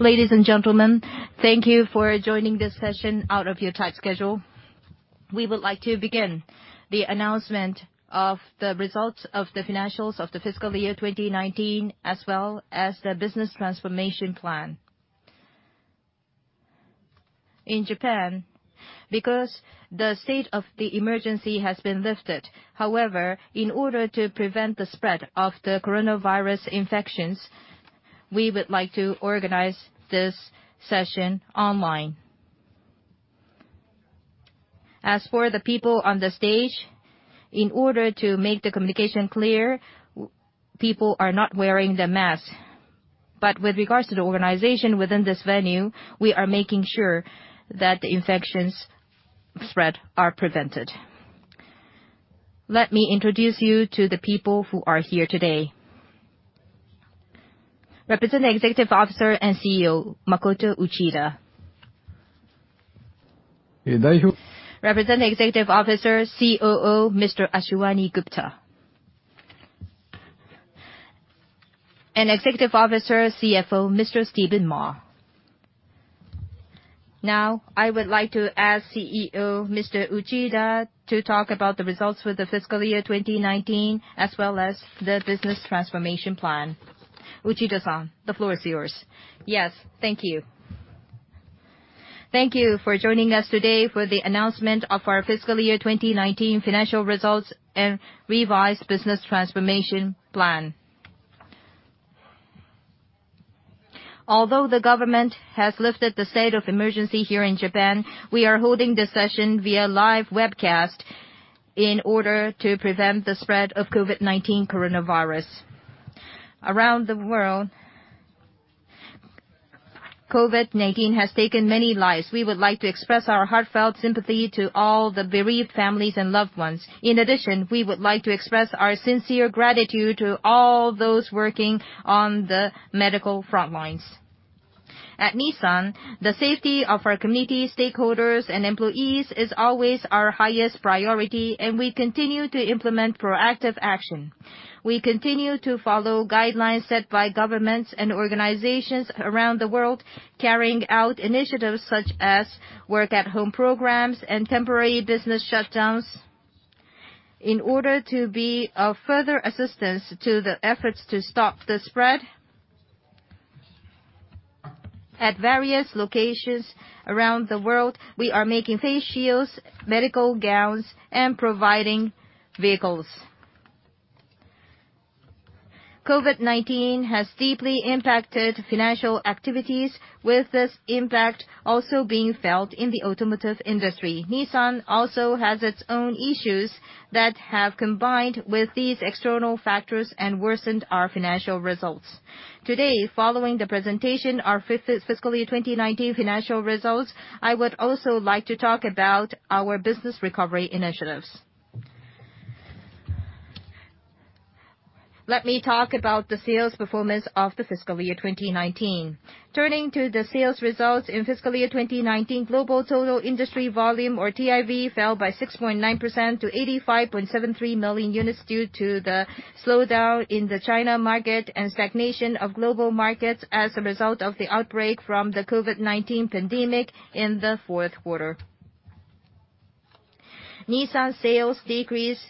Ladies and gentlemen, thank you for joining this session out of your tight schedule. We would like to begin the announcement of the results of the financials of the fiscal year 2019, as well as the business transformation plan. In Japan, because the state of the emergency has been lifted, however, in order to prevent the spread of the coronavirus infections, we would like to organize this session online. As for the people on the stage, in order to make the communication clear, people are not wearing their mask. With regards to the organization within this venue, we are making sure that the infection spread is prevented. Let me introduce you to the people who are here today. Representative Executive Officer and CEO, Makoto Uchida. Representative Executive Officer, COO, Mr. Ashwani Gupta. Executive Officer, CFO, Mr. Stephen Ma. I would like to ask CEO Makoto Uchida to talk about the results for the fiscal year 2019, as well as the business transformation plan. Uchida-san, the floor is yours. Yes. Thank you. Thank you for joining us today for the announcement of our fiscal year 2019 financial results and revised business transformation plan. Although the government has lifted the state of emergency here in Japan, we are holding this session via live webcast in order to prevent the spread of COVID-19. Around the world, COVID-19 has taken many lives. We would like to express our heartfelt sympathy to all the bereaved families and loved ones. We would like to express our sincere gratitude to all those working on the medical front lines. At Nissan, the safety of our community, stakeholders, and employees is always our highest priority. We continue to implement proactive action. We continue to follow guidelines set by governments and organizations around the world, carrying out initiatives such as work-at-home programs and temporary business shutdowns, in order to be of further assistance to the efforts to stop the spread. At various locations around the world, we are making face shields, medical gowns, and providing vehicles. COVID-19 has deeply impacted financial activities, with this impact also being felt in the automotive industry. Nissan also has its own issues that have combined with these external factors and worsened our financial results. Today, following the presentation of our fiscal year 2019 financial results, I also like to talk about our business recovery initiatives. Let me talk about the sales performance of the fiscal year 2019. Turning to the sales results in fiscal year 2019, global total industry volume, or TIV, fell by 6.9% to 85.73 million units due to the slowdown in the China market and stagnation of global markets as a result of the outbreak from the COVID-19 pandemic in the fourth quarter. Nissan sales decreased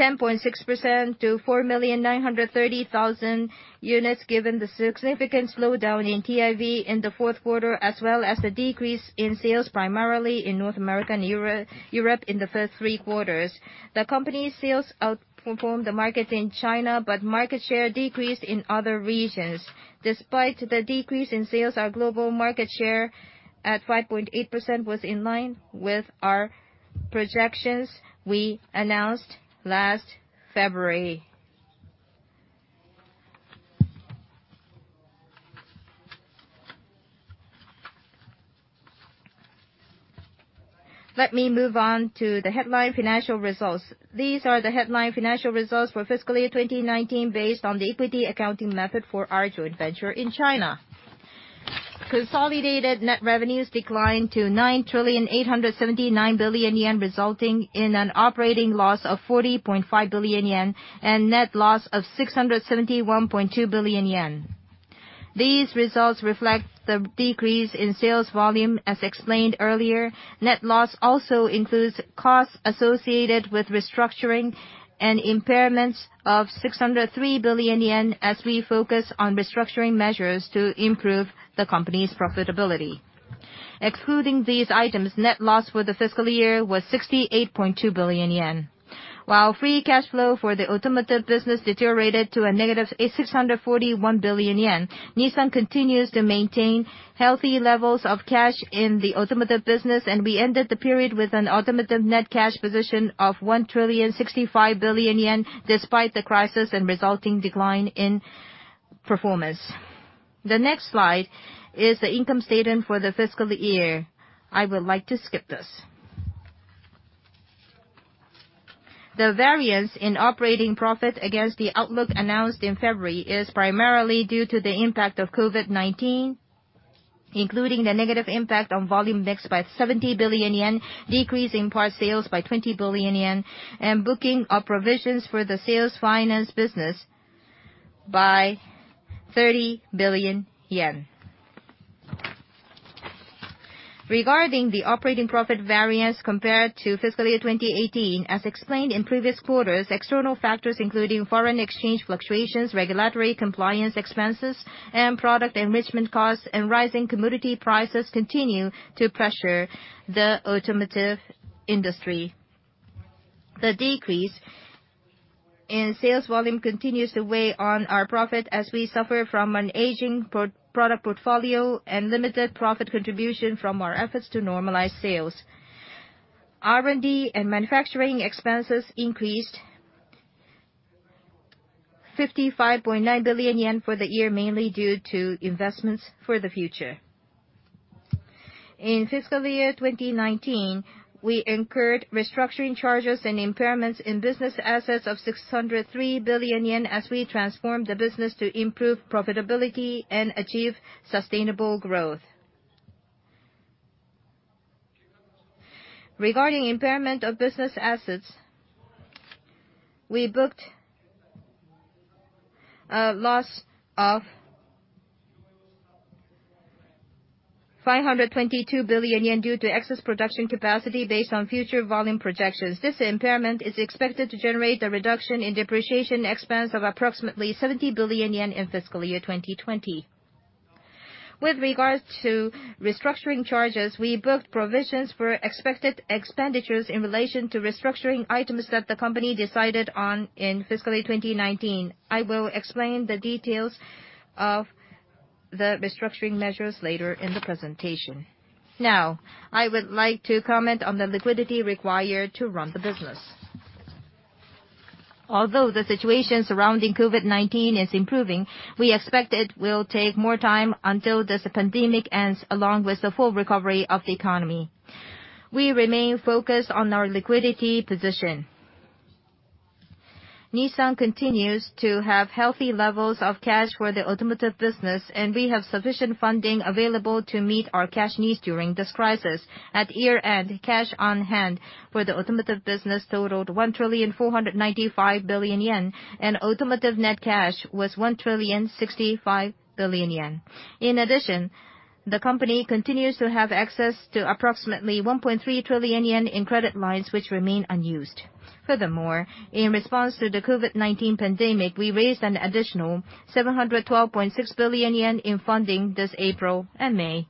10.6% to 4,930,000 units, given the significant slowdown in TIV in the fourth quarter, as well as the decrease in sales primarily in North America and Europe in the first three quarters. The company's sales outperformed the market in China, but market share decreased in other regions. Despite the decrease in sales, our global market share, at 5.8%, was in line with our projections we announced last February. Let me move on to the headline financial results. These are the headline financial results for fiscal year 2019, based on the equity accounting method for our joint venture in China. Consolidated net revenues declined to 9,879 billion yen, resulting in an operating loss of 40.5 billion yen, and net loss of 671.2 billion yen. These results reflect the decrease in sales volume as explained earlier. Net loss also includes costs associated with restructuring and impairments of 603 billion yen as we focus on restructuring measures to improve the company's profitability. Excluding these items, net loss for the fiscal year was 68.2 billion yen. While free cash flow for the automotive business deteriorated to a negative 641 billion yen, Nissan continues to maintain healthy levels of cash in the automotive business, and we ended the period with an automotive net cash position of 1,065 billion yen, despite the crisis and resulting decline in performance. The next slide is the income statement for the fiscal year. I would like to skip this. The variance in operating profit against the outlook announced in February is primarily due to the impact of COVID-19. Including the negative impact on volume mix by 70 billion yen, decrease in parts sales by 20 billion yen, and booking of provisions for the sales finance business by JPY 30 billion. Regarding the operating profit variance compared to fiscal year 2018, as explained in previous quarters, external factors including foreign exchange fluctuations, regulatory compliance expenses, and product enrichment costs and rising commodity prices continue to pressure the automotive industry. The decrease in sales volume continues to weigh on our profit as we suffer from an aging product portfolio and limited profit contribution from our efforts to normalize sales. R&D and manufacturing expenses increased 55.9 billion yen for the year, mainly due to investments for the future. In fiscal year 2019, we incurred restructuring charges and impairments in business assets of 603 billion yen as we transformed the business to improve profitability and achieve sustainable growth. Regarding impairment of business assets, we booked a loss of 522 billion yen due to excess production capacity based on future volume projections. This impairment is expected to generate a reduction in depreciation expense of approximately 70 billion yen in fiscal year 2020. With regards to restructuring charges, we booked provisions for expected expenditures in relation to restructuring items that the company decided on in fiscal year 2019. I will explain the details of the restructuring measures later in the presentation. Now, I would like to comment on the liquidity required to run the business. Although the situation surrounding COVID-19 is improving, we expect it will take more time until this pandemic ends along with the full recovery of the economy. We remain focused on our liquidity position. Nissan continues to have healthy levels of cash for the automotive business, and we have sufficient funding available to meet our cash needs during this crisis. At year-end, cash on hand for the automotive business totaled 1,495 billion yen, and automotive net cash was 1,065 billion yen. In addition, the company continues to have access to approximately 1.3 trillion yen in credit lines which remain unused. Furthermore, in response to the COVID-19 pandemic, we raised an additional 712.6 billion yen in funding this April and May.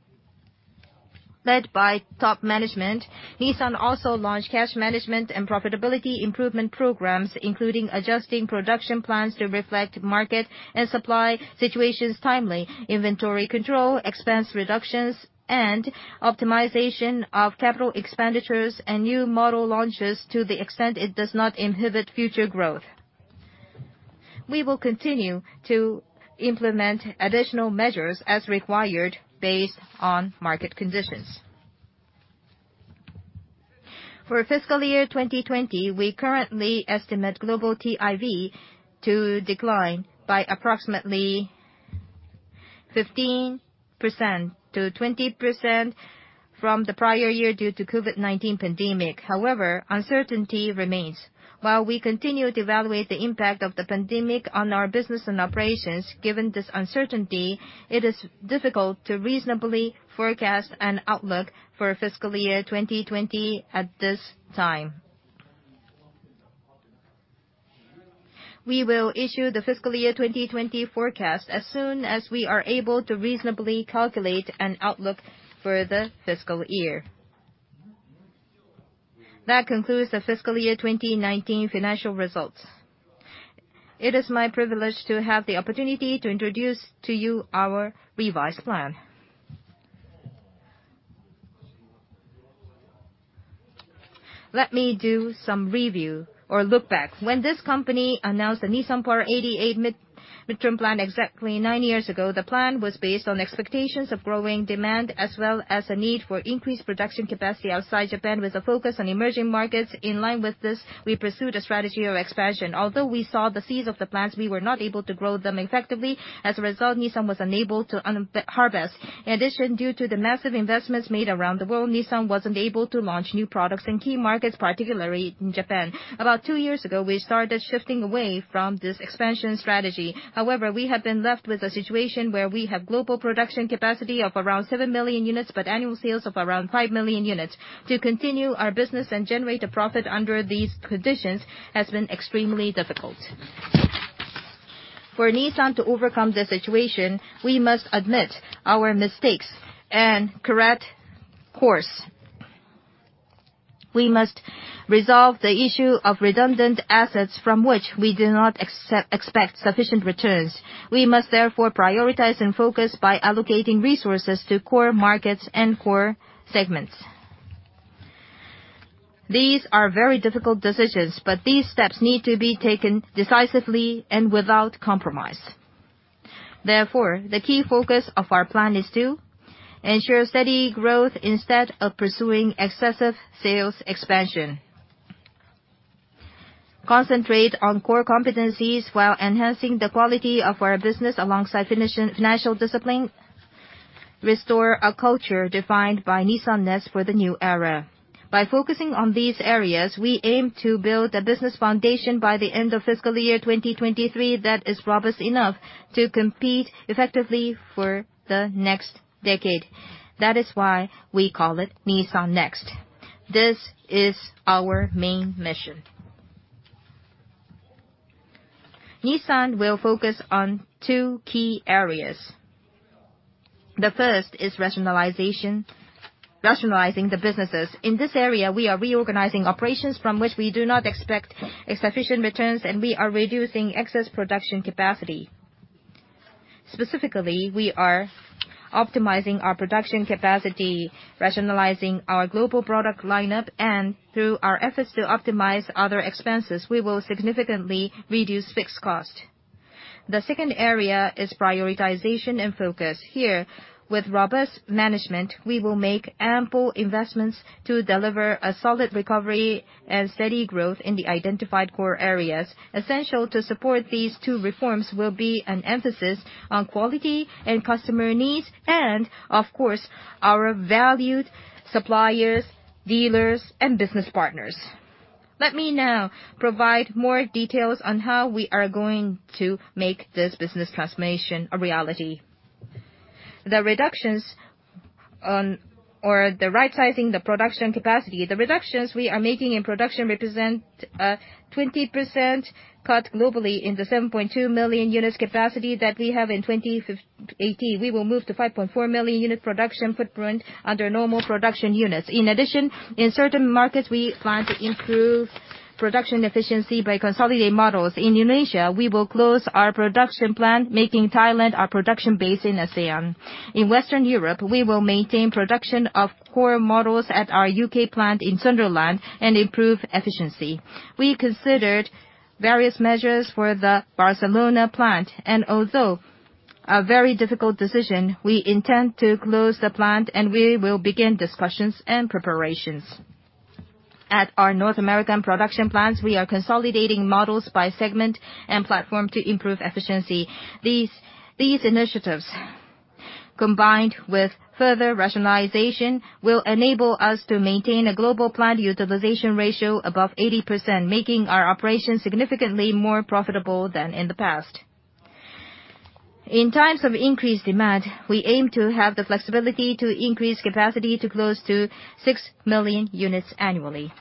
Led by top management, Nissan also launched cash management and profitability improvement programs, including adjusting production plans to reflect market and supply situations timely, inventory control, expense reductions, and optimization of capital expenditures and new model launches to the extent it does not inhibit future growth. We will continue to implement additional measures as required based on market conditions. For fiscal year 2020, we currently estimate global TIV to decline by approximately 15%-20% from the prior year due to COVID-19 pandemic. However, uncertainty remains. While we continue to evaluate the impact of the pandemic on our business and operations, given this uncertainty, it is difficult to reasonably forecast an outlook for fiscal year 2020 at this time. We will issue the fiscal year 2020 forecast as soon as we are able to reasonably calculate an outlook for the fiscal year. That concludes the fiscal year 2019 financial results. It is my privilege to have the opportunity to introduce to you our revised plan. Let me do some review or look back. When this company announced the Nissan Power 88 midterm plan exactly nine years ago, the plan was based on expectations of growing demand as well as a need for increased production capacity outside Japan, with a focus on emerging markets. In line with this, we pursued a strategy of expansion. Although we saw the seeds of the plans, we were not able to grow them effectively. As a result, Nissan was unable to harvest. In addition, due to the massive investments made around the world, Nissan wasn't able to launch new products in key markets, particularly in Japan. About two years ago, we started shifting away from this expansion strategy. We have been left with a situation where we have global production capacity of around 7 million units, but annual sales of around 5 million units. To continue our business and generate a profit under these conditions has been extremely difficult. For Nissan to overcome this situation, we must admit our mistakes and correct course. We must resolve the issue of redundant assets from which we do not expect sufficient returns. We must therefore prioritize and focus by allocating resources to core markets and core segments. These are very difficult decisions, but these steps need to be taken decisively and without compromise. The key focus of our plan is to ensure steady growth instead of pursuing excessive sales expansion. Concentrate on core competencies while enhancing the quality of our business alongside financial discipline. Restore a culture defined by Nissan NEXT for the new era. By focusing on these areas, we aim to build a business foundation by the end of fiscal year 2023 that is robust enough to compete effectively for the next decade. That is why we call it Nissan NEXT. This is our main mission. Nissan will focus on two key areas. The first is rationalization, rationalizing the businesses. In this area, we are reorganizing operations from which we do not expect sufficient returns, and we are reducing excess production capacity. Specifically, we are optimizing our production capacity, rationalizing our global product lineup, and through our efforts to optimize other expenses, we will significantly reduce fixed cost. The second area is prioritization and focus. Here, with robust management, we will make ample investments to deliver a solid recovery and steady growth in the identified core areas. Essential to support these two reforms will be an emphasis on quality and customer needs and, of course, our valued suppliers, dealers, and business partners. Let me now provide more details on how we are going to make this business transformation a reality. The reductions on or the right-sizing the production capacity. The reductions we are making in production represent a 20% cut globally in the 7.2 million units capacity that we have in 2018. We will move to 5.4 million unit production footprint under normal production units. In certain markets, we plan to improve production efficiency by consolidated models. In Indonesia, we will close our production plant, making Thailand our production base in ASEAN. In Western Europe, we will maintain production of core models at our U.K. plant in Sunderland and improve efficiency. We considered various measures for the Barcelona plant, and although a very difficult decision, we intend to close the plant, and we will begin discussions and preparations. At our North American production plants, we are consolidating models by segment and platform to improve efficiency. These initiatives, combined with further rationalization, will enable us to maintain a global plant utilization ratio above 80%, making our operations significantly more profitable than in the past. In times of increased demand, we aim to have the flexibility to increase capacity to close to six million units annually.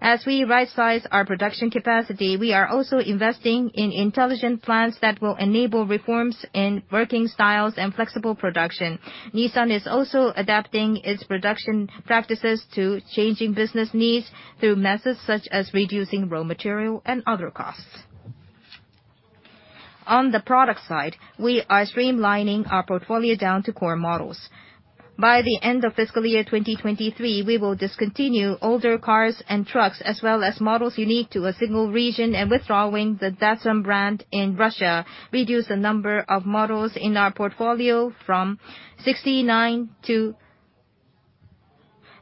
As we rightsize our production capacity, we are also investing in intelligent plants that will enable reforms in working styles and flexible production. Nissan is also adapting its production practices to changing business needs through methods such as reducing raw material and other costs. On the product side, we are streamlining our portfolio down to core models. By the end of fiscal year 2023, we will discontinue older cars and trucks, as well as models unique to a single region and withdrawing the Datsun brand in Russia. Reduce the number of models in our portfolio from 69 to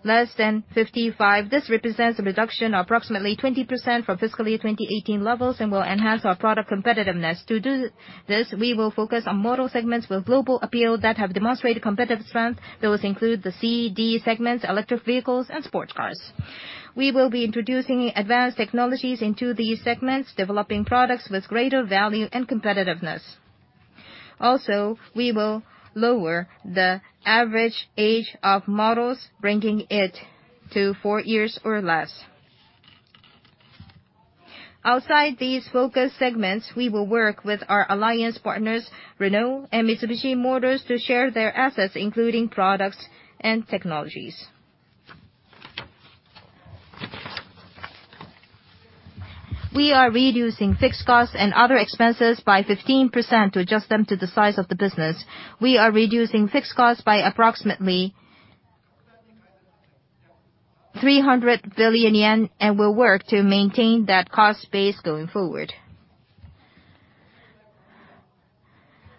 less than 55. This represents a reduction of approximately 20% from fiscal year 2018 levels and will enhance our product competitiveness. To do this, we will focus on model segments with global appeal that have demonstrated competitive strength. Those include the C, D segments, electric vehicles, and sports cars. We will be introducing advanced technologies into these segments, developing products with greater value and competitiveness. We will lower the average age of models, bringing it to four years or less. Outside these focus segments, we will work with our alliance partners, Renault and Mitsubishi Motors, to share their assets, including products and technologies. We are reducing fixed costs and other expenses by 15% to adjust them to the size of the business. We are reducing fixed costs by approximately 300 billion yen and will work to maintain that cost base going forward.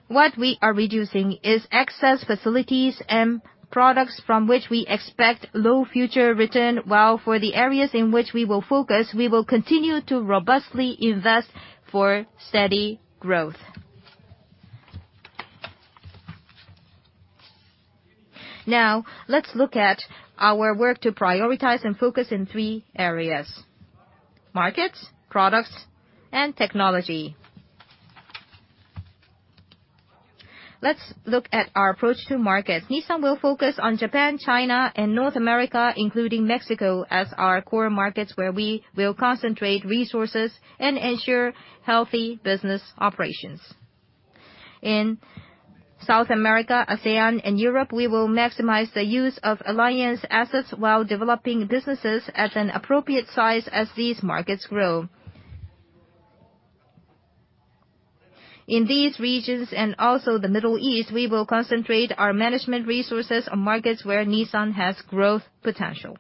What we are reducing is excess facilities and products from which we expect low future return, while for the areas in which we will focus, we will continue to robustly invest for steady growth. Now, let's look at our work to prioritize and focus in three areas: markets, products, and technology. Let's look at our approach to markets. Nissan will focus on Japan, China, and North America, including Mexico, as our core markets where we will concentrate resources and ensure healthy business operations. In South America, ASEAN, and Europe, we will maximize the use of Alliance assets while developing businesses at an appropriate size as these markets grow. In these regions, and also the Middle East, we will concentrate our management resources on markets where Nissan has growth potential.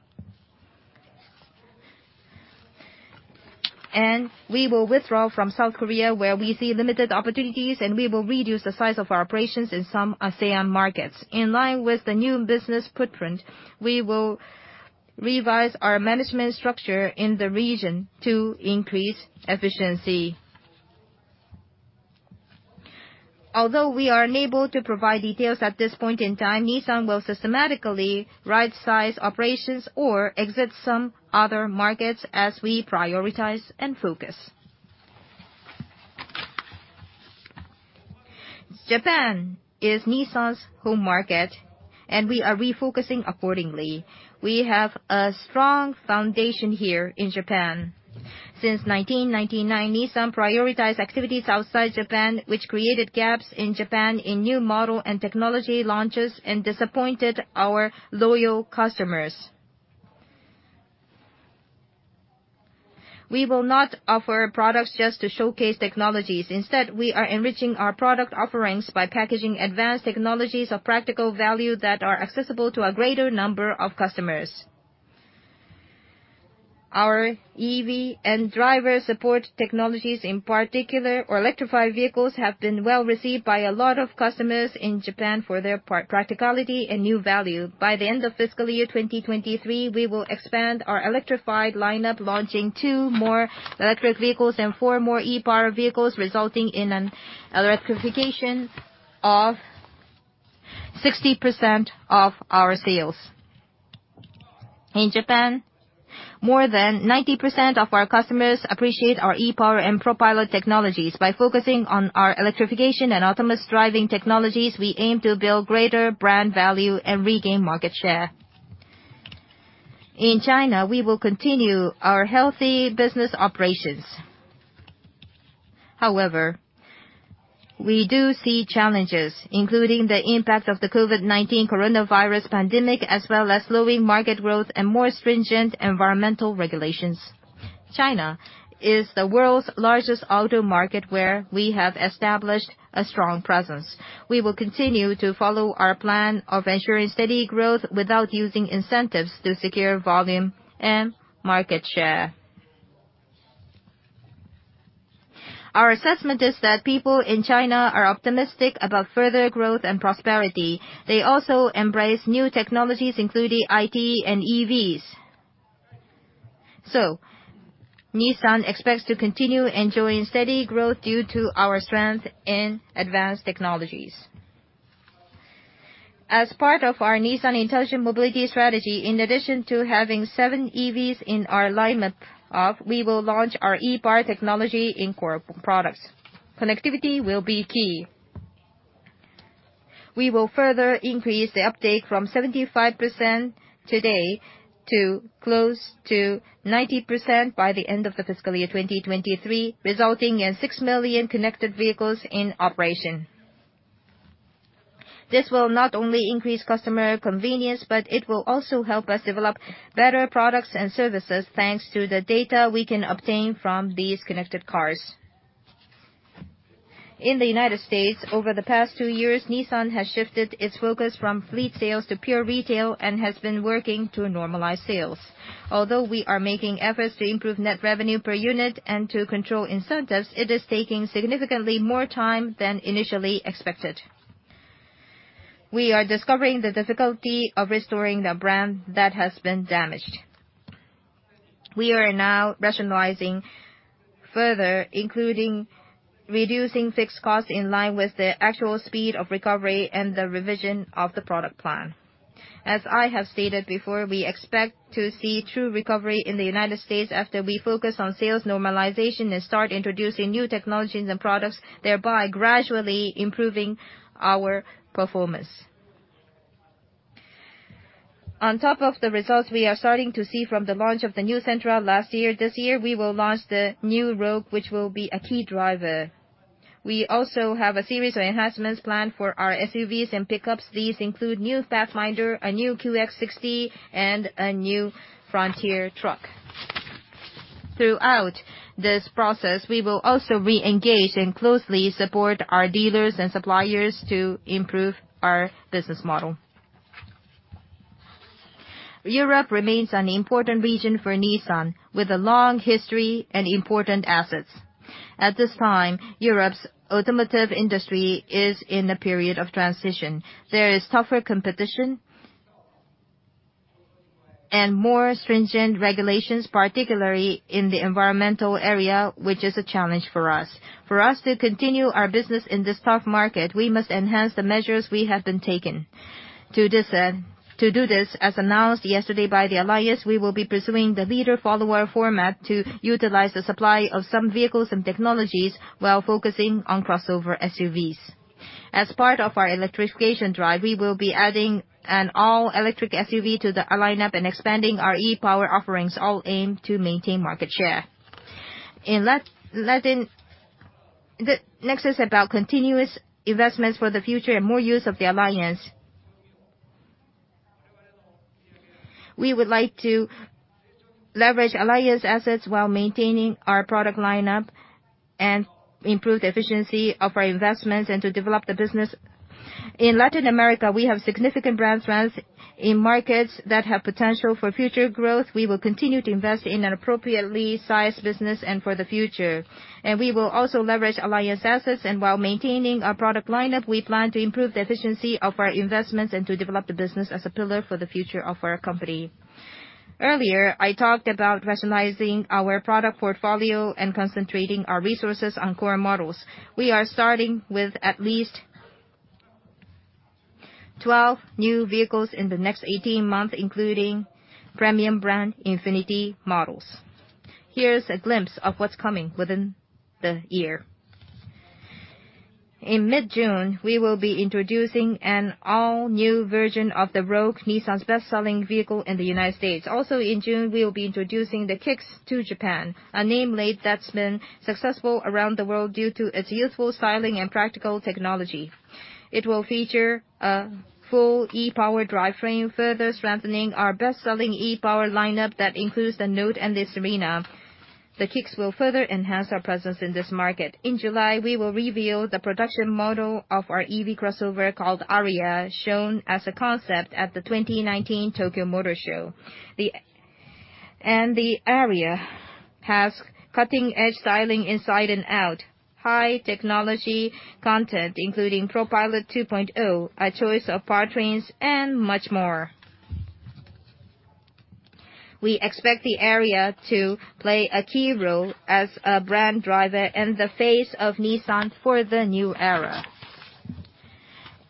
We will withdraw from South Korea, where we see limited opportunities, and we will reduce the size of our operations in some ASEAN markets. In line with the new business footprint, we will revise our management structure in the region to increase efficiency. Although we are unable to provide details at this point in time, Nissan will systematically right-size operations or exit some other markets as we prioritize and focus. Japan is Nissan's home market, and we are refocusing accordingly. We have a strong foundation here in Japan. Since 1999, Nissan prioritized activities outside Japan, which created gaps in Japan in new model and technology launches and disappointed our loyal customers. We will not offer products just to showcase technologies. Instead, we are enriching our product offerings by packaging advanced technologies of practical value that are accessible to a greater number of customers. Our EV and driver support technologies, in particular our electrified vehicles, have been well-received by a lot of customers in Japan for their practicality and new value. By the end of fiscal year 2023, we will expand our electrified lineup, launching two more electric vehicles and four more e-POWER vehicles, resulting in an electrification of 60% of our sales. In Japan, more than 90% of our customers appreciate our e-POWER and ProPILOT technologies. By focusing on our electrification and autonomous driving technologies, we aim to build greater brand value and regain market share. In China, we will continue our healthy business operations. However, we do see challenges, including the impact of the COVID-19 coronavirus pandemic, as well as slowing market growth and more stringent environmental regulations. China is the world's largest auto market, where we have established a strong presence. We will continue to follow our plan of ensuring steady growth without using incentives to secure volume and market share. Our assessment is that people in China are optimistic about further growth and prosperity. They also embrace new technologies, including IT and EVs. Nissan expects to continue enjoying steady growth due to our strength in advanced technologies. As part of our Nissan Intelligent Mobility strategy, in addition to having seven EVs in our alignment of, we will launch our e-POWER technology in core products. Connectivity will be key. We will further increase the update from 75% today to close to 90% by the end of the fiscal year 2023, resulting in 6 million connected vehicles in operation. This will not only increase customer convenience, but it will also help us develop better products and services, thanks to the data we can obtain from these connected cars. In the U.S., over the past two years, Nissan has shifted its focus from fleet sales to pure retail and has been working to normalize sales. Although we are making efforts to improve net revenue per unit and to control incentives, it is taking significantly more time than initially expected. We are discovering the difficulty of restoring the brand that has been damaged. We are now rationalizing further, including reducing fixed costs in line with the actual speed of recovery and the revision of the product plan. As I have stated before, we expect to see true recovery in the U.S. after we focus on sales normalization and start introducing new technologies and products, thereby gradually improving our performance. On top of the results we are starting to see from the launch of the new Sentra last year, this year, we will launch the new Rogue, which will be a key driver. We also have a series of enhancements planned for our SUVs and pickups. These include new Pathfinder, a new QX60, and a new Frontier truck. Throughout this process, we will also re-engage and closely support our dealers and suppliers to improve our business model. Europe remains an important region for Nissan, with a long history and important assets. At this time, Europe's automotive industry is in a period of transition. There is tougher competition and more stringent regulations, particularly in the environmental area, which is a challenge for us. For us to continue our business in this tough market, we must enhance the measures we have been taking. To do this, as announced yesterday by the Alliance, we will be pursuing the leader-follower format to utilize the supply of some vehicles and technologies while focusing on crossover SUVs. As part of our electrification drive, we will be adding an all-electric SUV to the lineup and expanding our e-POWER offerings, all aimed to maintain market share. Next is about continuous investments for the future and more use of the Alliance. We would like to leverage Alliance assets while maintaining our product lineup and improve the efficiency of our investments and to develop the business. In Latin America, we have significant brand strength in markets that have potential for future growth. We will continue to invest in an appropriately sized business and for the future. We will also leverage Alliance assets, and while maintaining our product lineup, we plan to improve the efficiency of our investments and to develop the business as a pillar for the future of our company. Earlier, I talked about rationalizing our product portfolio and concentrating our resources on core models. We are starting with at least 12 new vehicles in the next 18 months, including premium brand INFINITI models. Here's a glimpse of what's coming within the year. In mid-June, we will be introducing an all-new version of the Rogue, Nissan's best-selling vehicle in the U.S. In June, we will be introducing the Kicks to Japan, a nameplate that's been successful around the world due to its youthful styling and practical technology. It will feature a full e-POWER drivetrain, further strengthening our best-selling e-POWER lineup that includes the Note and the Serena. The Kicks will further enhance our presence in this market. In July, we will reveal the production model of our EV crossover called Ariya, shown as a concept at the 2019 Tokyo Motor Show. The Ariya has cutting-edge styling inside and out, high technology content including ProPILOT 2.0, a choice of powertrains, and much more. We expect the Ariya to play a key role as a brand driver in the face of Nissan for the new era.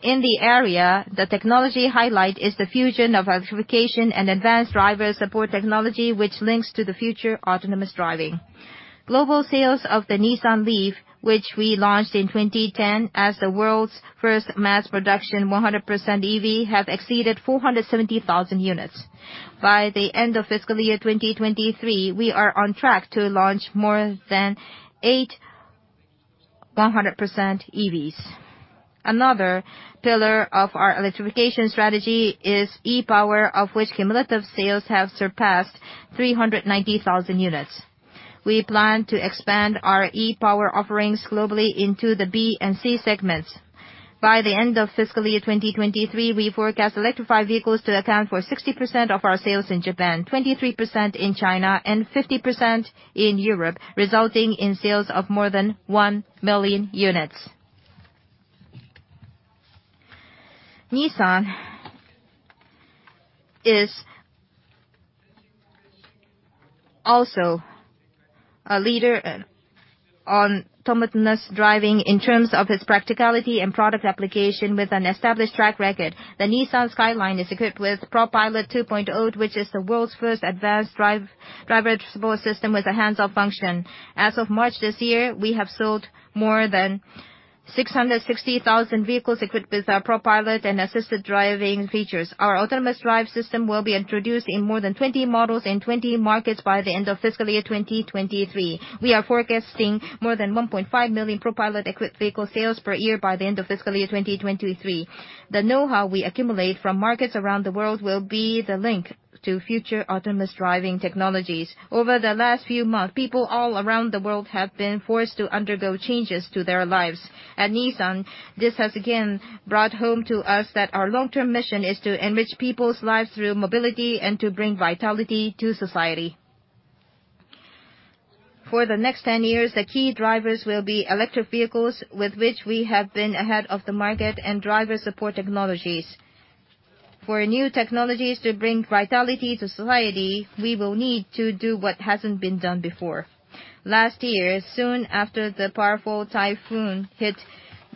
In the Ariya, the technology highlight is the fusion of electrification and advanced driver support technology, which links to the future autonomous driving. Global sales of the Nissan LEAF, which we launched in 2010 as the world's first mass production 100% EV, have exceeded 470,000 units. By the end of fiscal year 2023, we are on track to launch more than eight 100% EVs. Another pillar of our electrification strategy is e-POWER, of which cumulative sales have surpassed 390,000 units. We plan to expand our e-POWER offerings globally into the B and C segments. By the end of fiscal year 2023, we forecast electrified vehicles to account for 60% of our sales in Japan, 23% in China, and 50% in Europe, resulting in sales of more than 1 million units. Nissan is also a leader on autonomous driving in terms of its practicality and product application with an established track record. The Nissan Skyline is equipped with ProPILOT 2.0, which is the world's first advanced driver support system with a hands-off function. As of March this year, we have sold more than 660,000 vehicles equipped with our ProPILOT and assisted driving features. Our autonomous drive system will be introduced in more than 20 models in 20 markets by the end of fiscal year 2023. We are forecasting more than 1.5 million ProPILOT equipped vehicle sales per year by the end of fiscal year 2023. The know-how we accumulate from markets around the world will be the link to future autonomous driving technologies. Over the last few months, people all around the world have been forced to undergo changes to their lives. At Nissan, this has again brought home to us that our long-term mission is to enrich people's lives through mobility and to bring vitality to society. For the next 10 years, the key drivers will be electric vehicles, with which we have been ahead of the market, and driver support technologies. For new technologies to bring vitality to society, we will need to do what hasn't been done before. Last year, soon after the powerful typhoon hit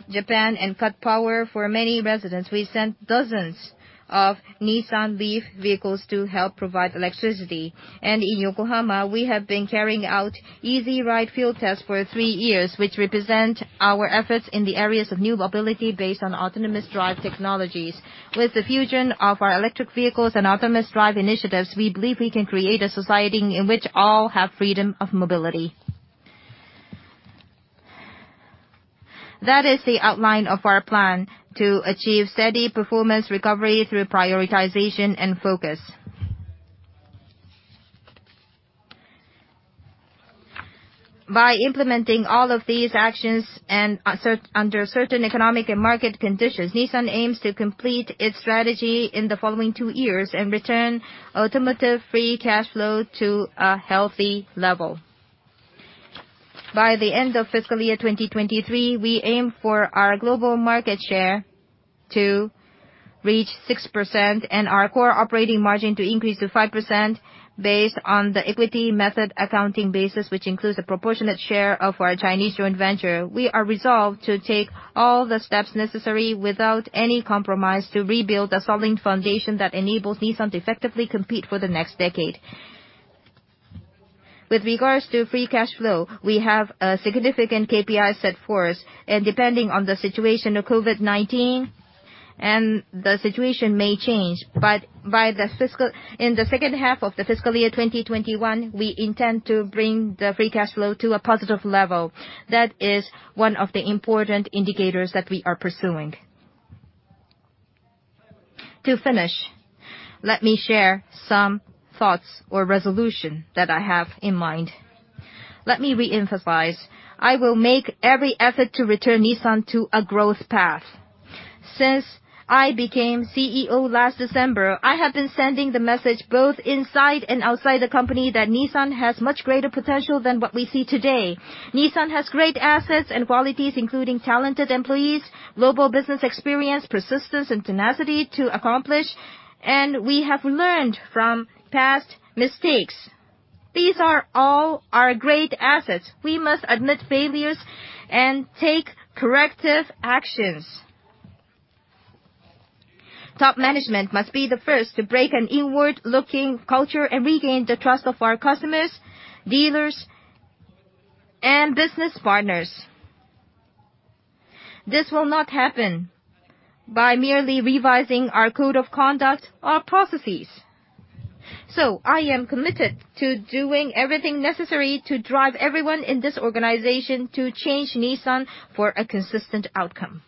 Japan and cut power for many residents, we sent dozens of Nissan LEAF vehicles to help provide electricity. In Yokohama, we have been carrying out Easy Ride field tests for three years, which represent our efforts in the areas of new mobility based on autonomous drive technologies. With the fusion of our electric vehicles and autonomous drive initiatives, we believe we can create a society in which all have freedom of mobility. That is the outline of our plan to achieve steady performance recovery through prioritization and focus. By implementing all of these actions and under certain economic and market conditions, Nissan aims to complete its strategy in the following two years and return automotive free cash flow to a healthy level. By the end of fiscal year 2023, we aim for our global market share to reach 6% and our core operating margin to increase to 5% based on the equity method accounting basis, which includes a proportionate share of our Chinese joint venture. We are resolved to take all the steps necessary without any compromise to rebuild a solid foundation that enables Nissan to effectively compete for the next decade. With regards to free cash flow, we have a significant KPI set for us, and depending on the situation of COVID-19 and the situation may change. In the second half of the fiscal year 2021, we intend to bring the free cash flow to a positive level. That is one of the important indicators that we are pursuing. To finish, let me share some thoughts or resolution that I have in mind. Let me reemphasize, I will make every effort to return Nissan to a growth path. Since I became CEO last December, I have been sending the message both inside and outside the company that Nissan has much greater potential than what we see today. Nissan has great assets and qualities, including talented employees, global business experience, persistence, and tenacity to accomplish, and we have learned from past mistakes. These are all our great assets. We must admit failures and take corrective actions. Top management must be the first to break an inward-looking culture and regain the trust of our customers, dealers, and business partners. This will not happen by merely revising our code of conduct or processes. I am committed to doing everything necessary to drive everyone in this organization to change Nissan for a consistent outcome.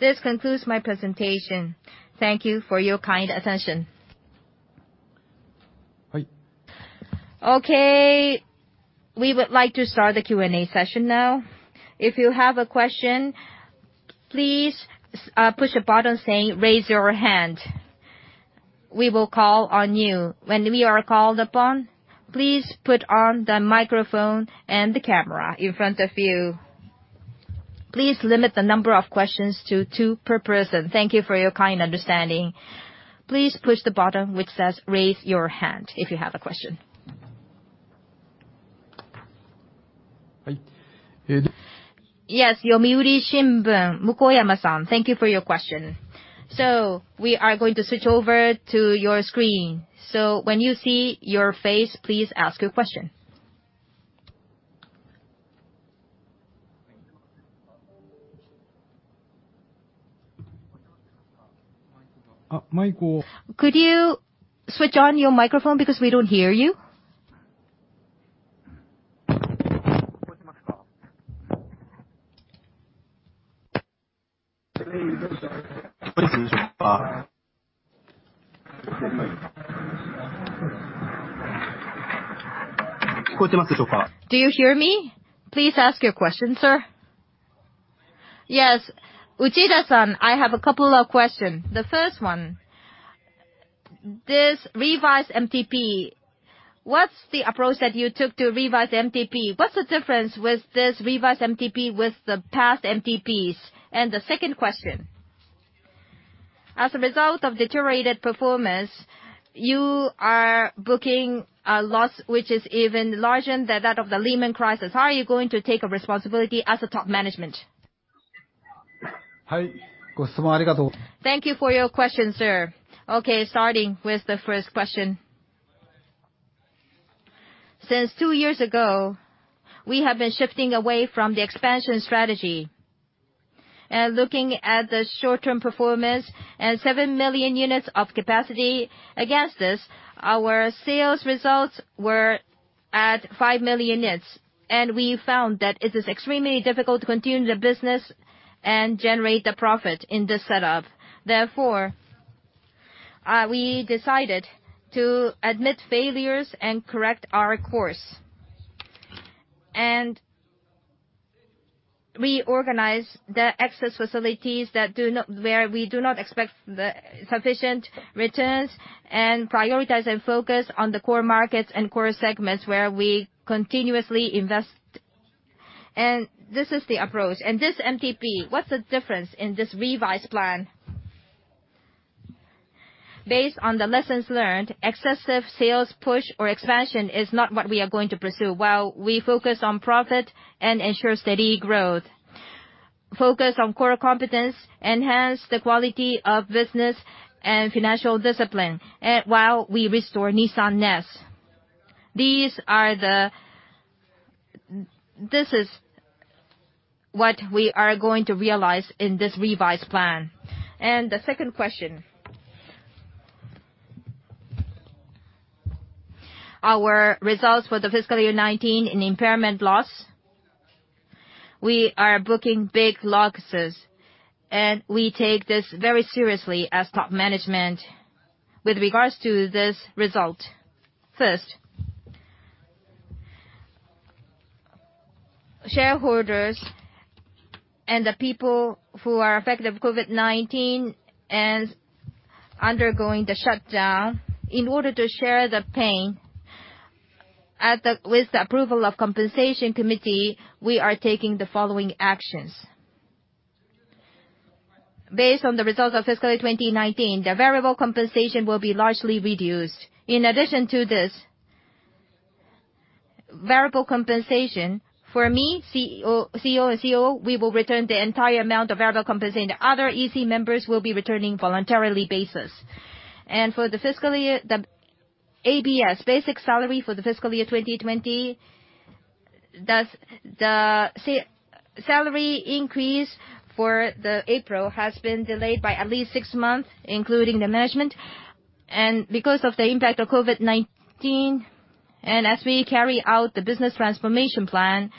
This concludes my presentation. Thank you for your kind attention. Okay. We would like to start the Q&A session now. If you have a question, please push the button saying, "Raise your hand." We will call on you. When we are called upon, please put on the microphone and the camera in front of you. Please limit the number of questions to two per person. Thank you for your kind understanding. Please push the button which says Raise your hand, if you have a question. Yes, Yomiuri Shimbun, Mukoyama-san, thank you for your question. We are going to switch over to your screen. When you see your face, please ask your question. Could you switch on your microphone because we don't hear you? Do you hear me? Please ask your question, sir. Yes. Uchida-san, I have a couple of questions. The first one, this revised MTP, what's the approach that you took to revise MTP? What's the difference with this revised MTP with the past MTPs? The second question, as a result of deteriorated performance, you are booking a loss which is even larger than that of the Lehman crisis. How are you going to take a responsibility as a top management? Thank you for your question, sir. Okay, starting with the first question. Since two years ago, we have been shifting away from the expansion strategy and looking at the short-term performance and 7 million units of capacity. Against this, our sales results were at 5 million units, and we found that it is extremely difficult to continue the business and generate the profit in this setup. Therefore, we decided to admit failures and correct our course and reorganize the excess facilities where we do not expect the sufficient returns and prioritize and focus on the core markets and core segments where we continuously invest. This is the approach. This MTP, what's the difference in this revised plan? Based on the lessons learned, excessive sales push or expansion is not what we are going to pursue while we focus on profit and ensure steady growth. Focus on core competence, enhance the quality of business and financial discipline, while we restore Nissan NEXT. This is what we are going to realize in this revised plan. Our results for the fiscal year 2019 in impairment loss, we are booking big losses, and we take this very seriously as top management with regards to this result. First, shareholders and the people who are affected of COVID-19 and undergoing the shutdown, in order to share the pain, with the approval of compensation committee, we are taking the following actions. Based on the results of fiscal year 2019, the variable compensation will be largely reduced. In addition to this variable compensation for me, CEO and COO, we will return the entire amount of variable compensation. The other EC members will be returning voluntarily basis. For the fiscal year, basic salary for the fiscal year 2020, the salary increase for April has been delayed by at least six months, including the management. Because of the impact of COVID-19, as we carry out the business transformation plan,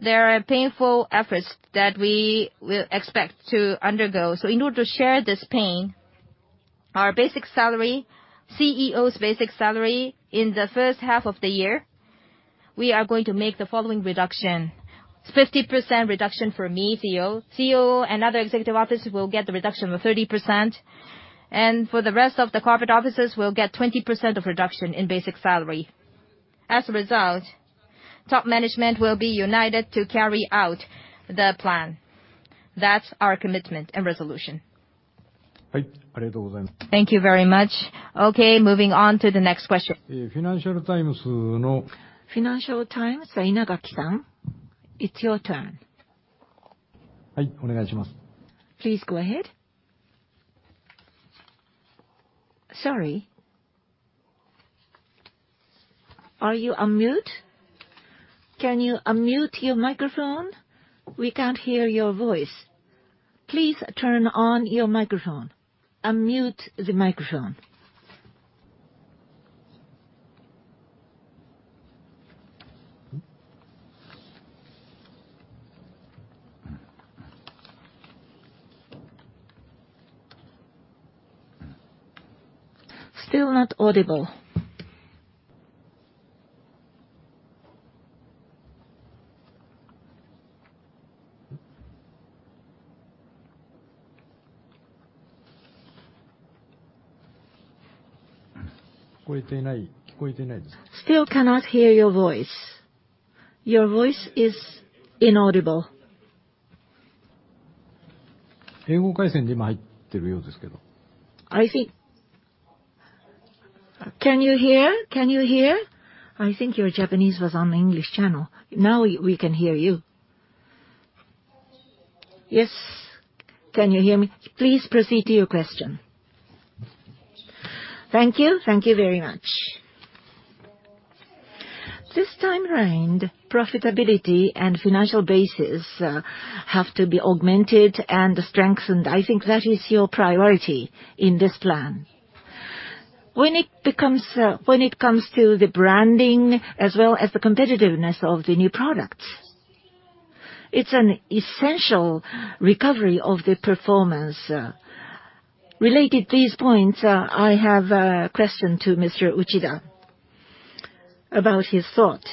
there are painful efforts that we will expect to undergo. In order to share this pain, our basic salary, CEO's basic salary in the first half of the year, we are going to make the following reduction. 50% reduction for me, CEO. COO and other Executive Officers will get the reduction of 30%. For the rest of the Corporate Officers will get 20% of reduction in basic salary. As a result, top management will be united to carry out the plan. That's our commitment and resolution. Thank you very much. Moving on to the next question. Financial Times, Inagaki-san, it's your turn. Please go ahead. Sorry. Are you on mute? Can you unmute your microphone? We can't hear your voice. Please turn on your microphone. Unmute the microphone. Still not audible. Still cannot hear your voice. Your voice is inaudible. I think Can you hear? I think your Japanese was on the English channel. Now we can hear you. Yes. Can you hear me? Please proceed to your question. Thank you. Thank you very much. This time around, profitability and financial bases have to be augmented and strengthened. I think that is your priority in this plan. When it comes to the branding as well as the competitiveness of the new products, it's an essential recovery of the performance. Related these points, I have a question to Mr. Uchida about his thought.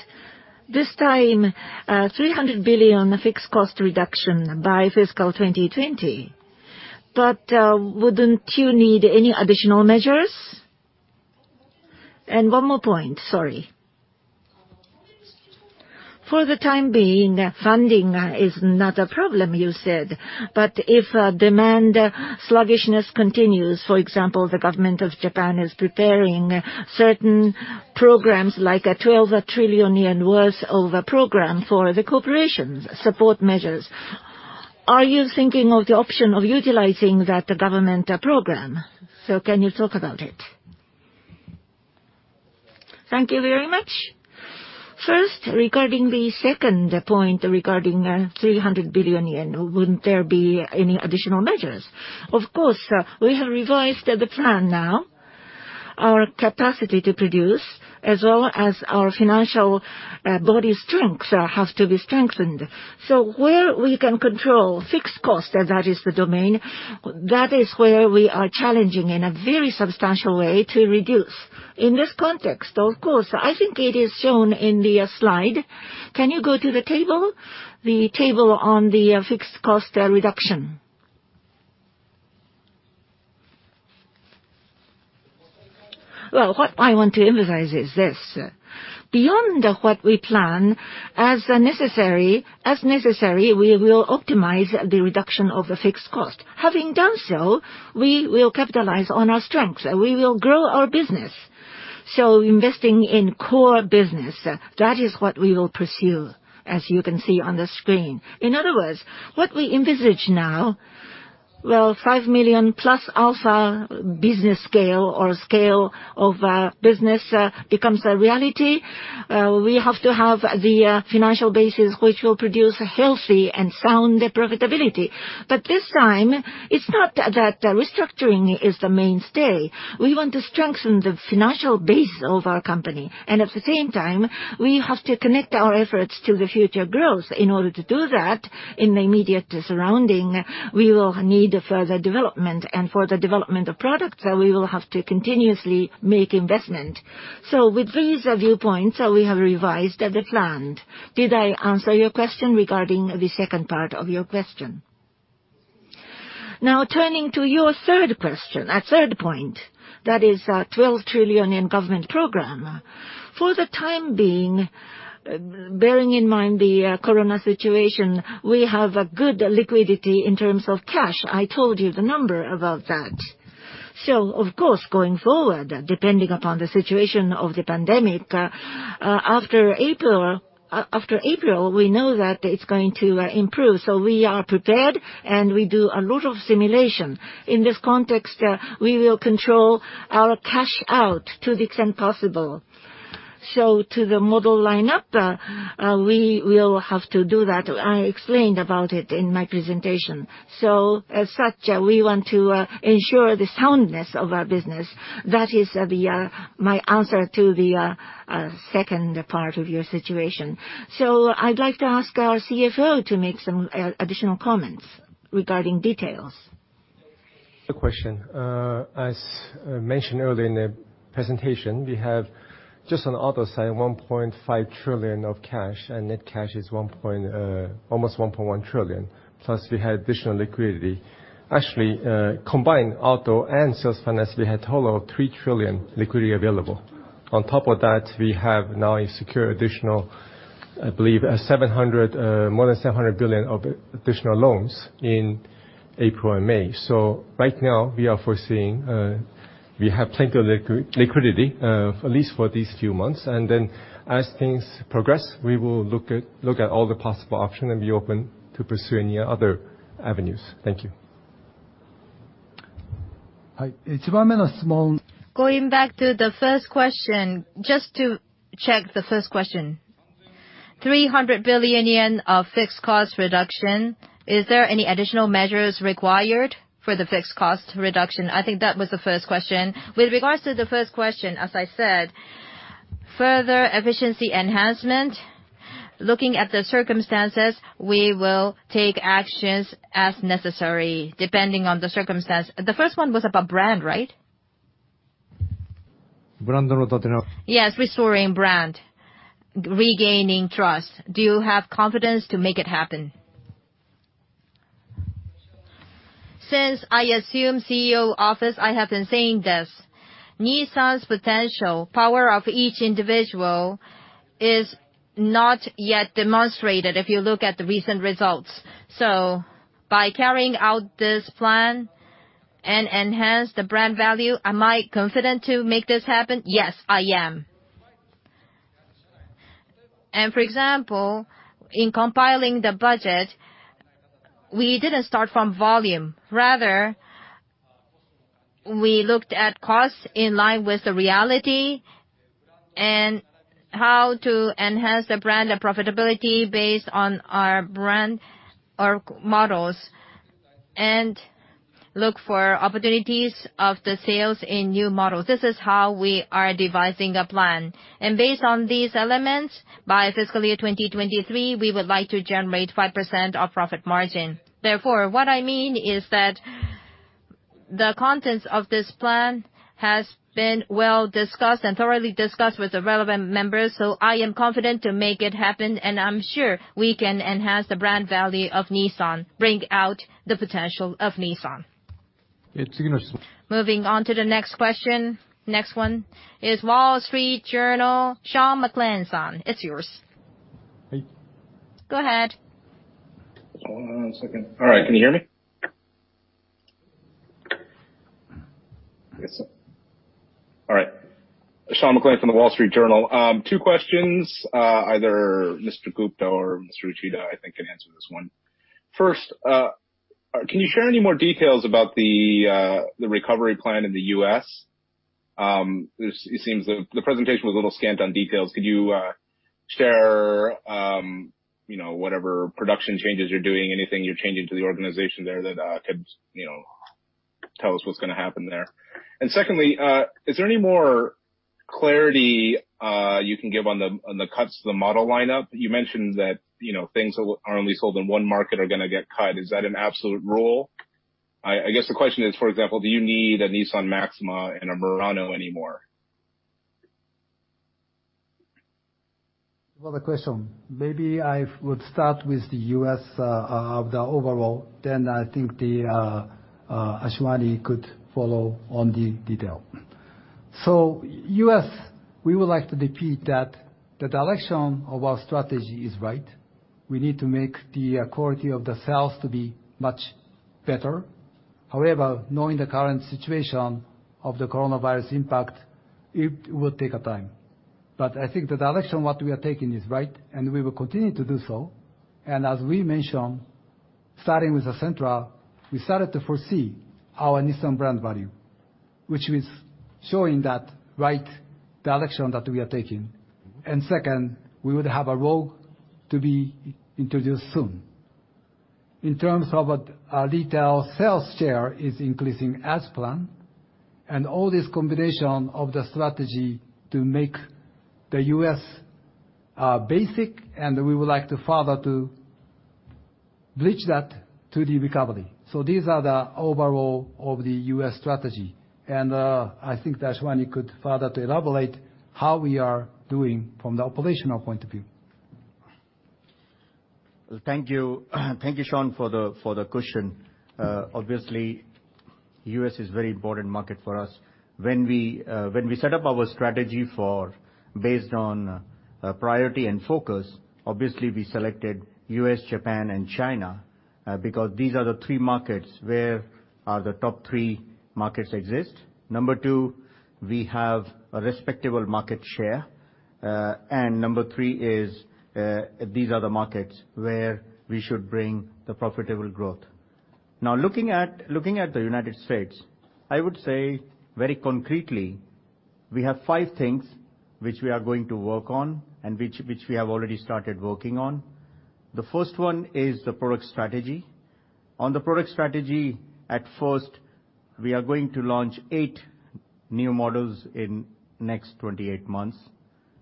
This time, 300 billion fixed cost reduction by FY 2020, wouldn't you need any additional measures? One more point, sorry. For the time being, funding is not a problem, you said, if demand sluggishness continues, for example, the government of Japan is preparing certain programs like a 12 trillion yen worth of a program for the corporations' support measures. Are you thinking of the option of utilizing that government program? Can you talk about it? Thank you very much. First, regarding the second point, regarding 300 billion yen, wouldn't there be any additional measures? Of course, we have revised the plan now. Our capacity to produce as well as our financial body strength has to be strengthened. Where we can control fixed cost, that is the domain, that is where we are challenging in a very substantial way to reduce. In this context, of course, I think it is shown in the slide. Can you go to the table? The table on the fixed cost reduction. Well, what I want to emphasize is this. Beyond what we plan, as necessary, we will optimize the reduction of the fixed cost. Having done so, we will capitalize on our strengths. We will grow our business. Investing in core business, that is what we will pursue, as you can see on the screen. In other words, what we envisage now, well, 5 million plus alpha business scale or scale of business becomes a reality. We have to have the financial basis which will produce healthy and sound profitability. This time, it's not that restructuring is the mainstay. We want to strengthen the financial base of our company. At the same time, we have to connect our efforts to the future growth. In order to do that, in the immediate surrounding, we will need further development. For the development of products, we will have to continuously make investment. With these viewpoints, we have revised the plan. Did I answer your question regarding the second part of your question? Now turning to your third question, third point, that is 12 trillion government program. For the time being, bearing in mind the corona situation, we have a good liquidity in terms of cash. I told you the number about that. Of course, going forward, depending upon the situation of the pandemic, after April, we know that it's going to improve. We are prepared, and we do a lot of simulation. In this context, we will control our cash out to the extent possible. To the model lineup, we will have to do that. I explained about it in my presentation. As such, we want to ensure the soundness of our business. That is my answer to the second part of your situation. I'd like to ask our CFO to make some additional comments regarding details. The question. As mentioned earlier in the presentation, we have just on auto side, 1.5 trillion of cash, and net cash is almost 1.1 trillion, plus we have additional liquidity. Actually, combined auto and sales finance, we had total of 3 trillion liquidity available. On top of that, we have now a secure additional, I believe, more than 700 billion of additional loans in April and May. Right now, we are foreseeing we have plenty of liquidity, at least for these few months. As things progress, we will look at all the possible option and be open to pursue any other avenues. Thank you. Going back to the first question, just to check the first question. 300 billion yen of fixed cost reduction, is there any additional measures required for the fixed cost reduction? I think that was the first question. With regards to the first question, as I said, further efficiency enhancement, looking at the circumstances, we will take actions as necessary, depending on the circumstance. The first one was about brand, right? Yes, restoring brand, regaining trust. Do you have confidence to make it happen? Since I assume CEO office, I have been saying this, Nissan's potential power of each individual is not yet demonstrated if you look at the recent results. By carrying out this plan and enhance the brand value, am I confident to make this happen? Yes, I am. For example, in compiling the budget, we didn't start from volume. Rather, we looked at costs in line with the reality and how to enhance the brand and profitability based on our brand or models, and look for opportunities of the sales in new models. This is how we are devising a plan. Based on these elements, by fiscal year 2023, we would like to generate 5% of profit margin. What I mean is that the contents of this plan has been well and thoroughly discussed with the relevant members. I am confident to make it happen, and I'm sure we can enhance the brand value of Nissan, bring out the potential of Nissan. Moving on to the next question. Next one is Wall Street Journal, Sean McLain-san. It's yours. Hey. Go ahead. Hold on one second. All right. Can you hear me? I guess so. All right. Sean McLain from The Wall Street Journal. Two questions, either Mr. Gupta or Mr. Uchida, I think can answer this one. First, can you share any more details about the recovery plan in the U.S.? It seems the presentation was a little scant on details. Could you share whatever production changes you're doing, anything you're changing to the organization there that could tell us what's going to happen there? Secondly, is there any more clarity you can give on the cuts to the model lineup? You mentioned that things are only sold in one market are going to get cut. Is that an absolute rule? I guess the question is, for example, do you need a Nissan Maxima and a Murano anymore? Another question. Maybe I would start with the U.S. of the overall, then I think Ashwani could follow on the detail. U.S., we would like to repeat that the direction of our strategy is right. We need to make the quality of the sales to be much better. However, knowing the current situation of the coronavirus impact, it would take a time. I think the direction what we are taking is right, and we will continue to do so. As we mentioned, starting with Sentra, we started to foresee our Nissan brand value, which is showing that right direction that we are taking. Second, we would have a Rogue to be introduced soon. In terms of a retail sales share is increasing as planned, and all this combination of the strategy to make the U.S. basic, and we would like to further to bridge that to the recovery. These are the overall of the U.S. strategy. I think that Ashwani could further elaborate how we are doing from the operational point of view. Thank you, Sean, for the question. Obviously, U.S. is very important market for us. When we set up our strategy based on priority and focus, obviously we selected U.S., Japan, and China, because these are the three markets where the top three markets exist. Number 2, we have a respectable market share. Number three is these are the markets where we should bring the profitable growth. Now looking at the United States, I would say very concretely we have five things which we are going to work on and which we have already started working on. The first one is the product strategy. On the product strategy, at first, we are going to launch eight new models in next 28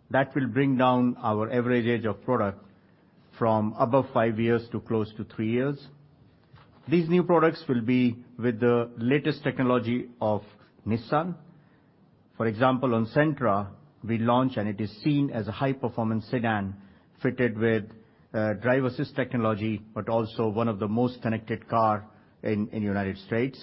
months. That will bring down our average age of product from above five years to close to three years. These new products will be with the latest technology of Nissan. For example, on Sentra, we launch and it is seen as a high performance sedan fitted with drive assist technology, but also one of the most connected car in United States.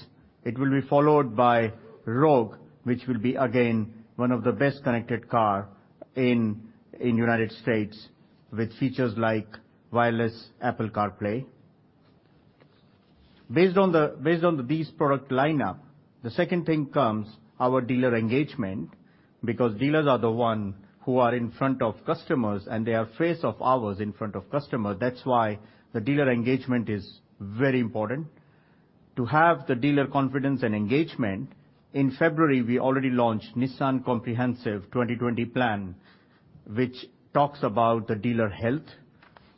It will be followed by Rogue, which will be again one of the best connected car in United States with features like wireless Apple CarPlay. Based on these product lineup, the second thing comes our dealer engagement, because dealers are the ones who are in front of customers, and they are face of ours in front of customers. That's why the dealer engagement is very important. To have the dealer confidence and engagement, in February, we already launched Nissan Comprehensive 2020 Plan, which talks about the dealer health,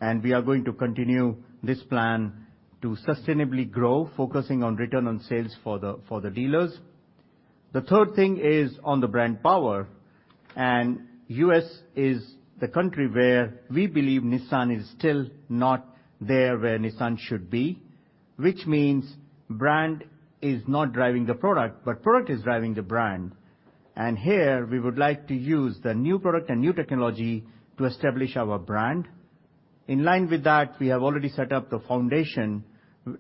and we are going to continue this plan to sustainably grow, focusing on return on sales for the dealers. The third thing is on the brand power, U.S. is the country where we believe Nissan is still not there where Nissan should be, which means brand is not driving the product, but product is driving the brand. Here, we would like to use the new product and new technology to establish our brand. In line with that, we have already set up the foundation.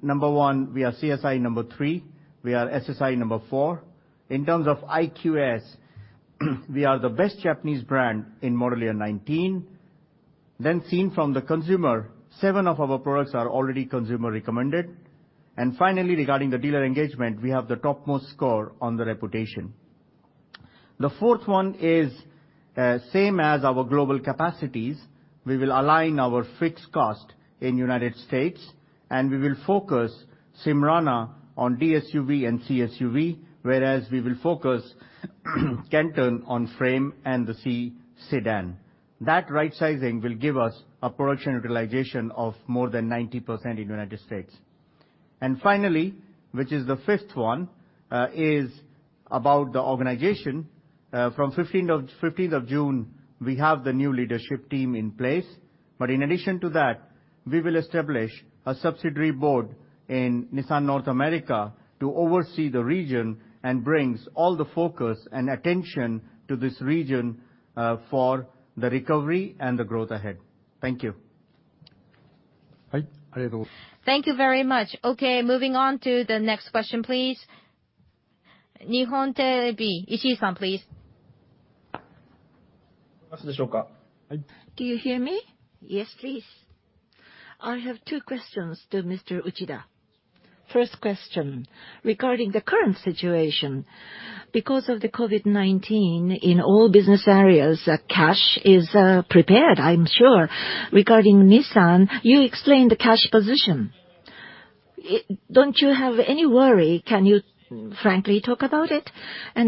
Number one, we are CSI number three, we are SSI number four. In terms of IQS, we are the best Japanese brand in model year 2019. Seen from the consumer, seven of our products are already consumer recommended. Finally, regarding the dealer engagement, we have the topmost score on the reputation. The fourth one is same as our global capacities. We will align our fixed cost in U.S., and we will focus Smyrna on DSUV and CSUV, whereas we will focus Canton on frame and the C sedan. That right sizing will give us a production utilization of more than 90% in U.S. Finally, which is the fifth one, is about the organization. From 15th of June, we have the new leadership team in place. In addition to that, we will establish a subsidiary board in Nissan North America to oversee the region and brings all the focus and attention to this region for the recovery and the growth ahead. Thank you. Thank you very much. Okay, moving on to the next question, please. Nippon TV, Ishii-san, please. Do you hear me? Yes, please. I have two questions to Mr. Uchida. First question, regarding the current situation. Because of the COVID-19 in all business areas, cash is prepared, I'm sure. Regarding Nissan, you explained the cash position. Don't you have any worry? Can you frankly talk about it?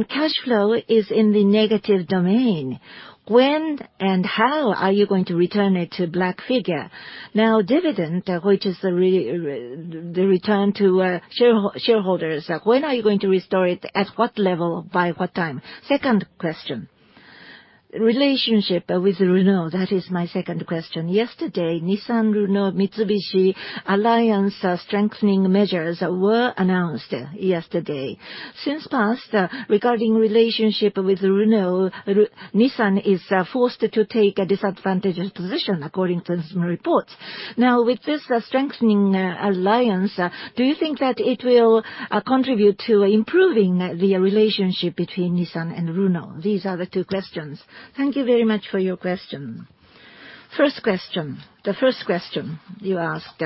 Cash flow is in the negative domain. When and how are you going to return it to black figure? Dividend, which is the return to shareholders, when are you going to restore it, at what level, by what time? Second question, relationship with Renault, that is my second question. Nissan, Renault, Mitsubishi Alliance strengthening measures were announced yesterday. Regarding relationship with Renault, Nissan is forced to take a disadvantaged position according to some reports. With this strengthening alliance, do you think that it will contribute to improving the relationship between Nissan and Renault? These are the two questions. Thank you very much for your question. First question. The first question you asked.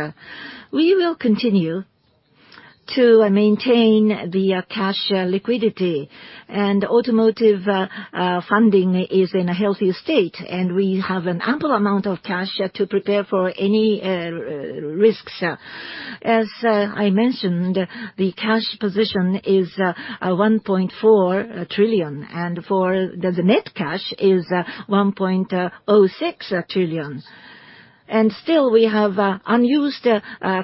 We will continue to maintain the cash liquidity, and automotive funding is in a healthy state, and we have an ample amount of cash to prepare for any risks. As I mentioned, the cash position is 1.4 trillion, and for the net cash is 1.06 trillion. Still we have unused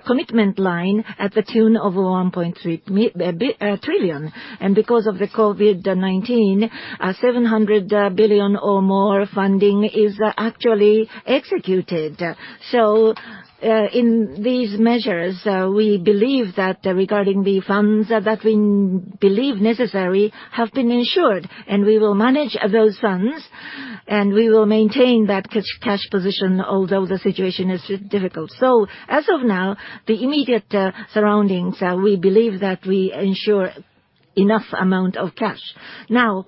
commitment line at the tune of 1.3 trillion. Because of the COVID-19, 700 billion or more funding is actually executed. In these measures, we believe that regarding the funds that we believe necessary have been ensured, and we will manage those funds, and we will maintain that cash position, although the situation is difficult. As of now, the immediate surroundings, we believe that we ensure enough amount of cash.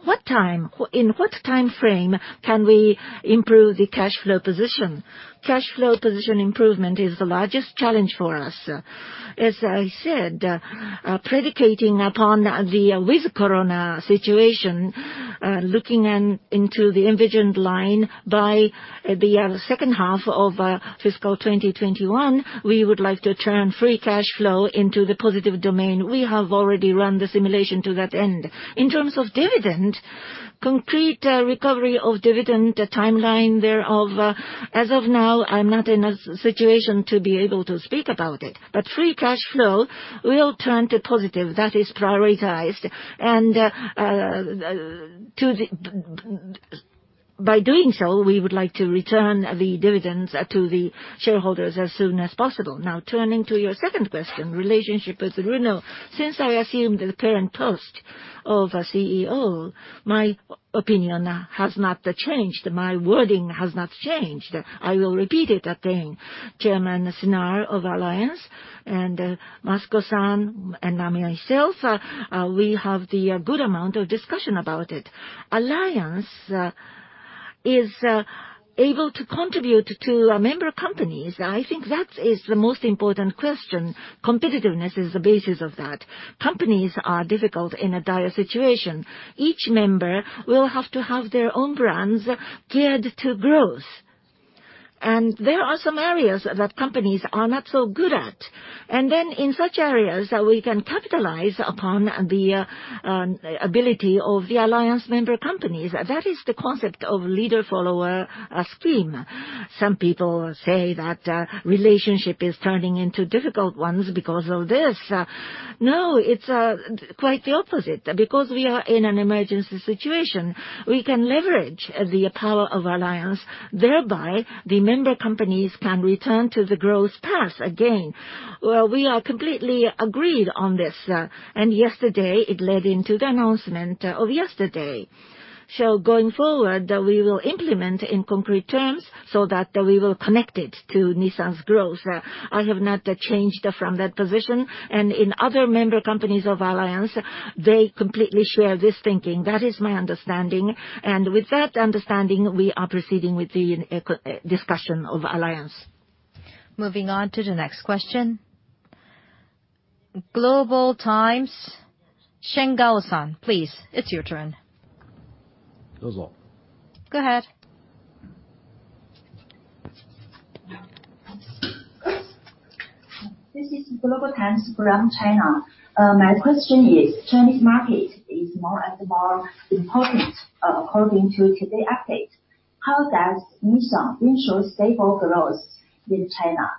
What time, in what time frame can we improve the cash flow position? Cash flow position improvement is the largest challenge for us. As I said, predicating upon the with Corona situation, looking into the envisioned line by the second half of fiscal 2021, we would like to turn free cash flow into the positive domain. We have already run the simulation to that end. In terms of dividend, concrete recovery of dividend timeline thereof, as of now, I am not in a situation to be able to speak about it. Free cash flow will turn to positive. That is prioritized. By doing so, we would like to return the dividends to the shareholders as soon as possible. Turning to your second question, relationship with Renault. Since I assumed the current post of CEO, my opinion has not changed. My wording has not changed. I will repeat it again. Chairman Senard of Alliance and Masuko-san and myself, we have the good amount of discussion about it. Alliance is able to contribute to member companies. I think that is the most important question. Competitiveness is the basis of that. Companies are difficult in a dire situation. Each member will have to have their own brands geared to growth. There are some areas that companies are not so good at. In such areas, we can capitalize upon the ability of the Alliance member companies. That is the concept of leader-follower scheme. Some people say that relationship is turning into difficult ones because of this. No, it's quite the opposite, because we are in an emergency situation, we can leverage the power of Alliance, thereby the member companies can return to the growth path again. Well, we are completely agreed on this, yesterday it led into the announcement of yesterday. Going forward, we will implement in concrete terms so that we will connect it to Nissan's growth. I have not changed from that position. In other member companies of Alliance, they completely share this thinking. That is my understanding. With that understanding, we are proceeding with the discussion of Alliance. Moving on to the next question. Global Times, Shen Gao-san, please, it's your turn. Go ahead. This is Global Times from China. My question is, Chinese market is more and more important according to today update. How does Nissan ensure stable growth in China?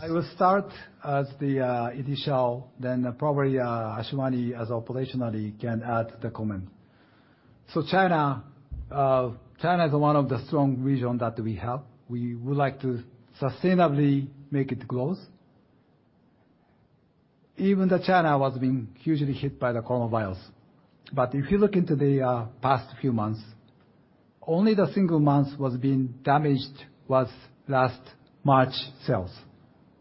I will start as the initial, probably Ashwani as operationally can add the comment. China is one of the strong region that we have. We would like to sustainably make it growth. Even the China was being hugely hit by the COVID-19. If you look into the past few months, only the single month was being damaged was last March sales.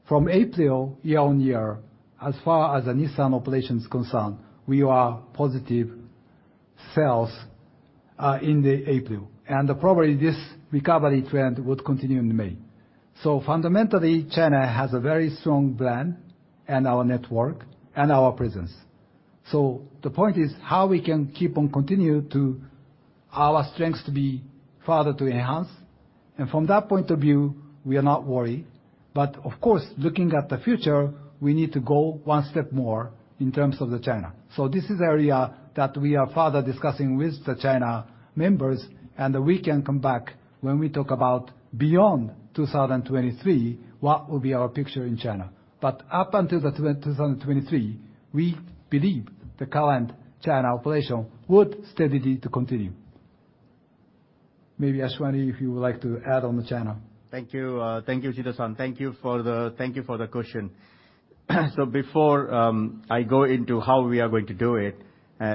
From April, year-over-year, as far as the Nissan operations concerned, we were positive sales in the April. Probably this recovery trend would continue in May. Fundamentally, China has a very strong brand and our network and our presence. The point is how we can keep on continue to our strengths to be further to enhance. From that point of view, we are not worried. Of course, looking at the future, we need to go one step more in terms of the China. This is area that we are further discussing with the China members, and we can come back when we talk about beyond 2023, what will be our picture in China. Up until the 2023, we believe the current China operation would steadily to continue. Maybe Ashwani, if you would like to add on the China. Thank you. Thank you, [Shida-san]. Thank you for the question. Before I go into how we are going to do it,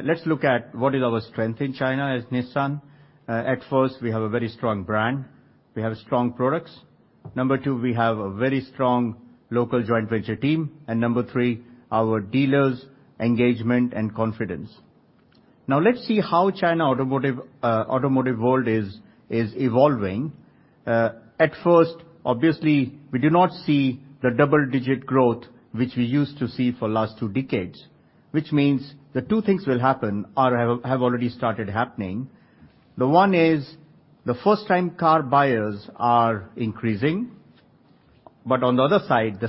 let's look at what is our strength in China as Nissan. At first, we have a very strong brand. We have strong products. Number two, we have a very strong local joint venture team. Number three, our dealers' engagement and confidence. Let's see how China automotive world is evolving. Obviously, we do not see the double-digit growth which we used to see for last two decades, which means the two things will happen or have already started happening. One is the first-time car buyers are increasing, but on the other side, the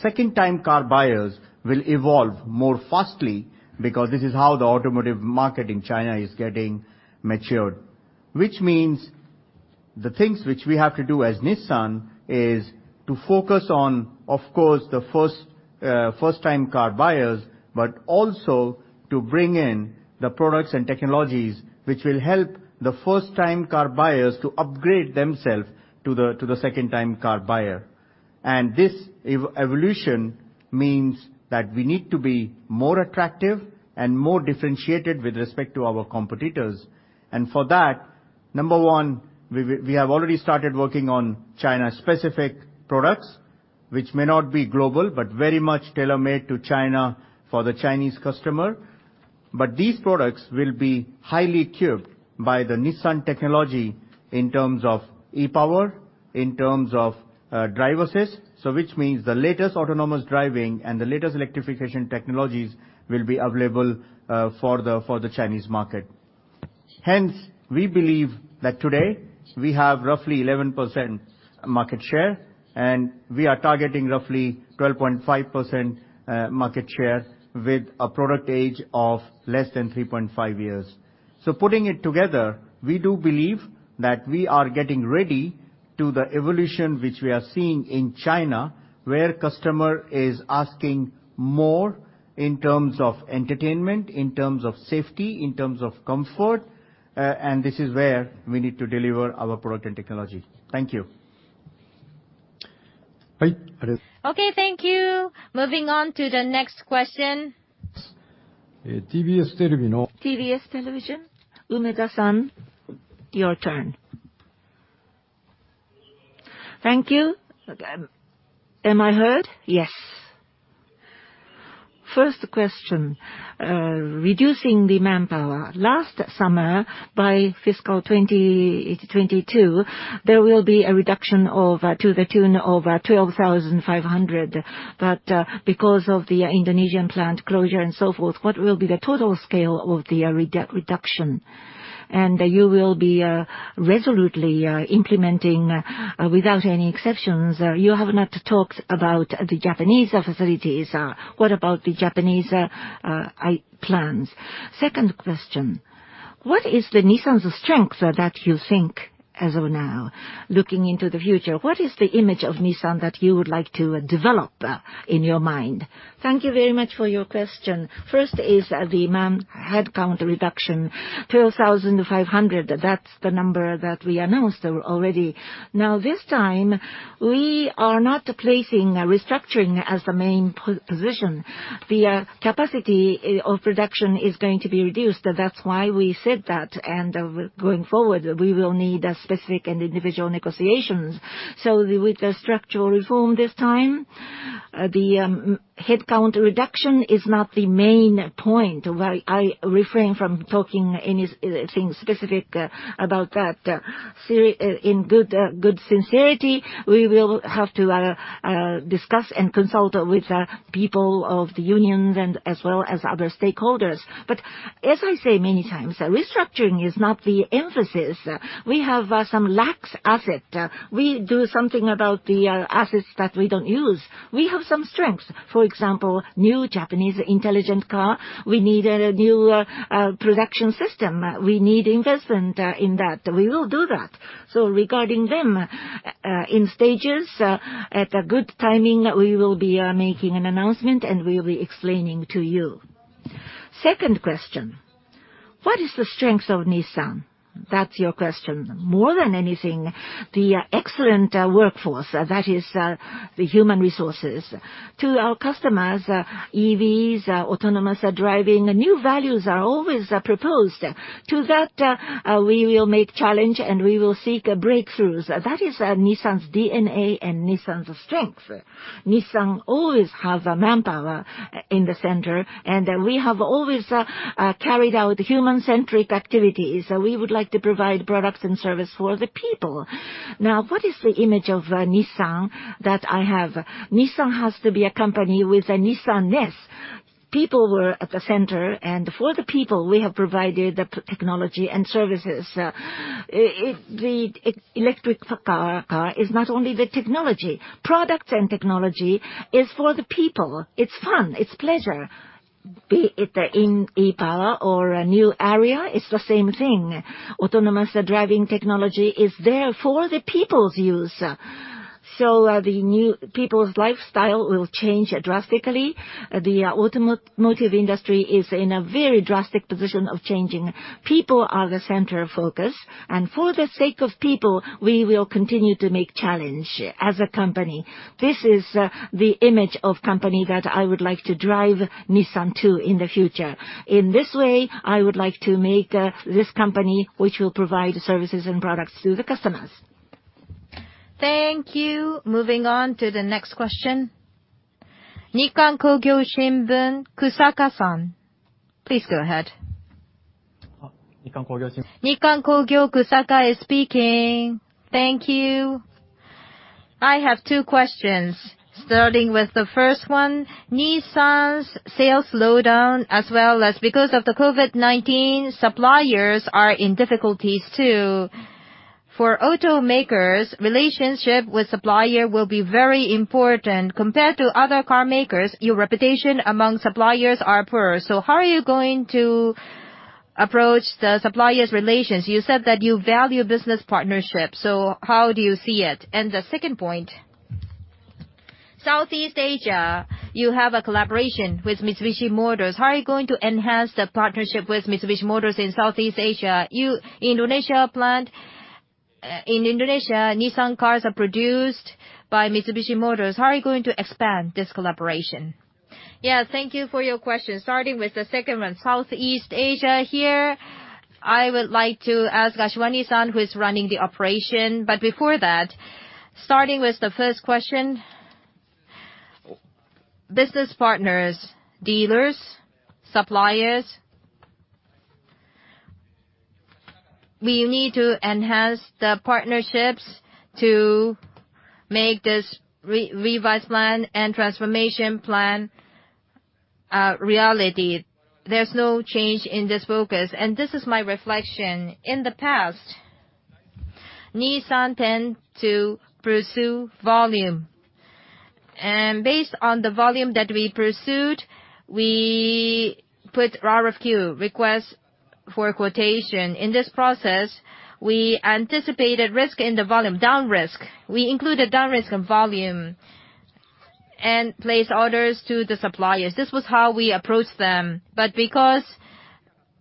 second-time car buyers will evolve more fastly because this is how the automotive market in China is getting matured. Which means the things which we have to do as Nissan is to focus on, of course, the first-time car buyers, but also to bring in the products and technologies which will help the first-time car buyers to upgrade themselves to the second-time car buyer. This evolution means that we need to be more attractive and more differentiated with respect to our competitors. For that, number one, we have already started working on China-specific products, which may not be global, but very much tailor-made to China for the Chinese customer. These products will be highly tuned by the Nissan technology in terms of e-POWER, in terms of driver assist. Which means the latest autonomous driving and the latest electrification technologies will be available for the Chinese market. We believe that today we have roughly 11% market share, and we are targeting roughly 12.5% market share with a product age of less than 3.5 years. Putting it together, we do believe that we are getting ready to the evolution which we are seeing in China, where customer is asking more in terms of entertainment, in terms of safety, in terms of comfort, and this is where we need to deliver our product and technology. Thank you. Okay, thank you. Moving on to the next question. TBS Television. TBS Television, Umega-san, your turn. Thank you. Am I heard? Yes. First question, reducing the manpower. Last summer, by fiscal 2022, there will be a reduction to the tune of 12,500. Because of the Indonesian plant closure and so forth, what will be the total scale of the reduction? You will be resolutely implementing without any exceptions. You have not talked about the Japanese facilities. What about the Japanese plans? Second question, what is the Nissan's strength that you think as of now, looking into the future? What is the image of Nissan that you would like to develop in your mind? Thank you very much for your question. First is the headcount reduction. 12,500, that's the number that we announced already. This time, we are not placing restructuring as the main position. The capacity of reduction is going to be reduced. That's why we said that. Going forward, we will need specific and individual negotiations. With the structural reform this time, the headcount reduction is not the main point. Why I refrain from talking anything specific about that. In good sincerity, we will have to discuss and consult with people of the unions and as well as other stakeholders. As I say many times, restructuring is not the emphasis. We have some excess asset. We do something about the assets that we don't use. We have some strengths. For example, new Japanese intelligent car. We need a new production system. We need investment in that. We will do that. Regarding them, in stages, at a good timing, we will be making an announcement and we'll be explaining to you. Second question, what is the strength of Nissan? That's your question. More than anything, the excellent workforce, that is the human resources. To our customers, EVs, autonomous driving, new values are always proposed. To that, we will make challenge and we will seek breakthroughs. That is Nissan's DNA and Nissan's strength. Nissan always have a manpower in the center, and we have always carried out human-centric activities, and we would like to provide products and service for the people. Now, what is the image of Nissan that I have? Nissan has to be a company with a Nissan-ness. People were at the center, and for the people, we have provided the technology and services. The electric car is not only the technology. Products and technology is for the people. It's fun, it's pleasure. Be it in e-POWER or a new area, it's the same thing. Autonomous driving technology is there for the people's use. The new people's lifestyle will change drastically. The automotive industry is in a very drastic position of changing. People are the center of focus and for the sake of people, we will continue to make challenge as a company. This is the image of company that I would like to drive Nissan to in the future. In this way, I would like to make this company which will provide services and products to the customers. Thank you. Moving on to the next question. Nikkan Kogyo Shimbun, Kusaka-san, please go ahead. Nikkan Kogyo Shimbun. Nikkan Kogyo, Kusaka is speaking. Thank you. I have two questions. Starting with the first one, Nissan's sales slowdown as well as because of the COVID-19, suppliers are in difficulties, too. For automakers, relationship with supplier will be very important. Compared to other car makers, your reputation among suppliers are poor. How are you going to approach the suppliers relations? You said that you value business partnership, how do you see it? The second point, Southeast Asia, you have a collaboration with Mitsubishi Motors. How are you going to enhance the partnership with Mitsubishi Motors in Southeast Asia? Your Indonesia plant, in Indonesia, Nissan cars are produced by Mitsubishi Motors. How are you going to expand this collaboration? Yeah, thank you for your question. Starting with the second one, Southeast Asia here, I would like to ask Ashwani-san, who is running the operation. Before that, starting with the first question, business partners, dealers, suppliers, we need to enhance the partnerships to make this revised plan and transformation plan a reality. There's no change in this focus, and this is my reflection. In the past, Nissan tend to pursue volume Based on the volume that we pursued, we put RFQ, request for a quotation. In this process, we anticipated risk in the volume, down risk. We included down risk in volume and placed orders to the suppliers. This was how we approached them. Because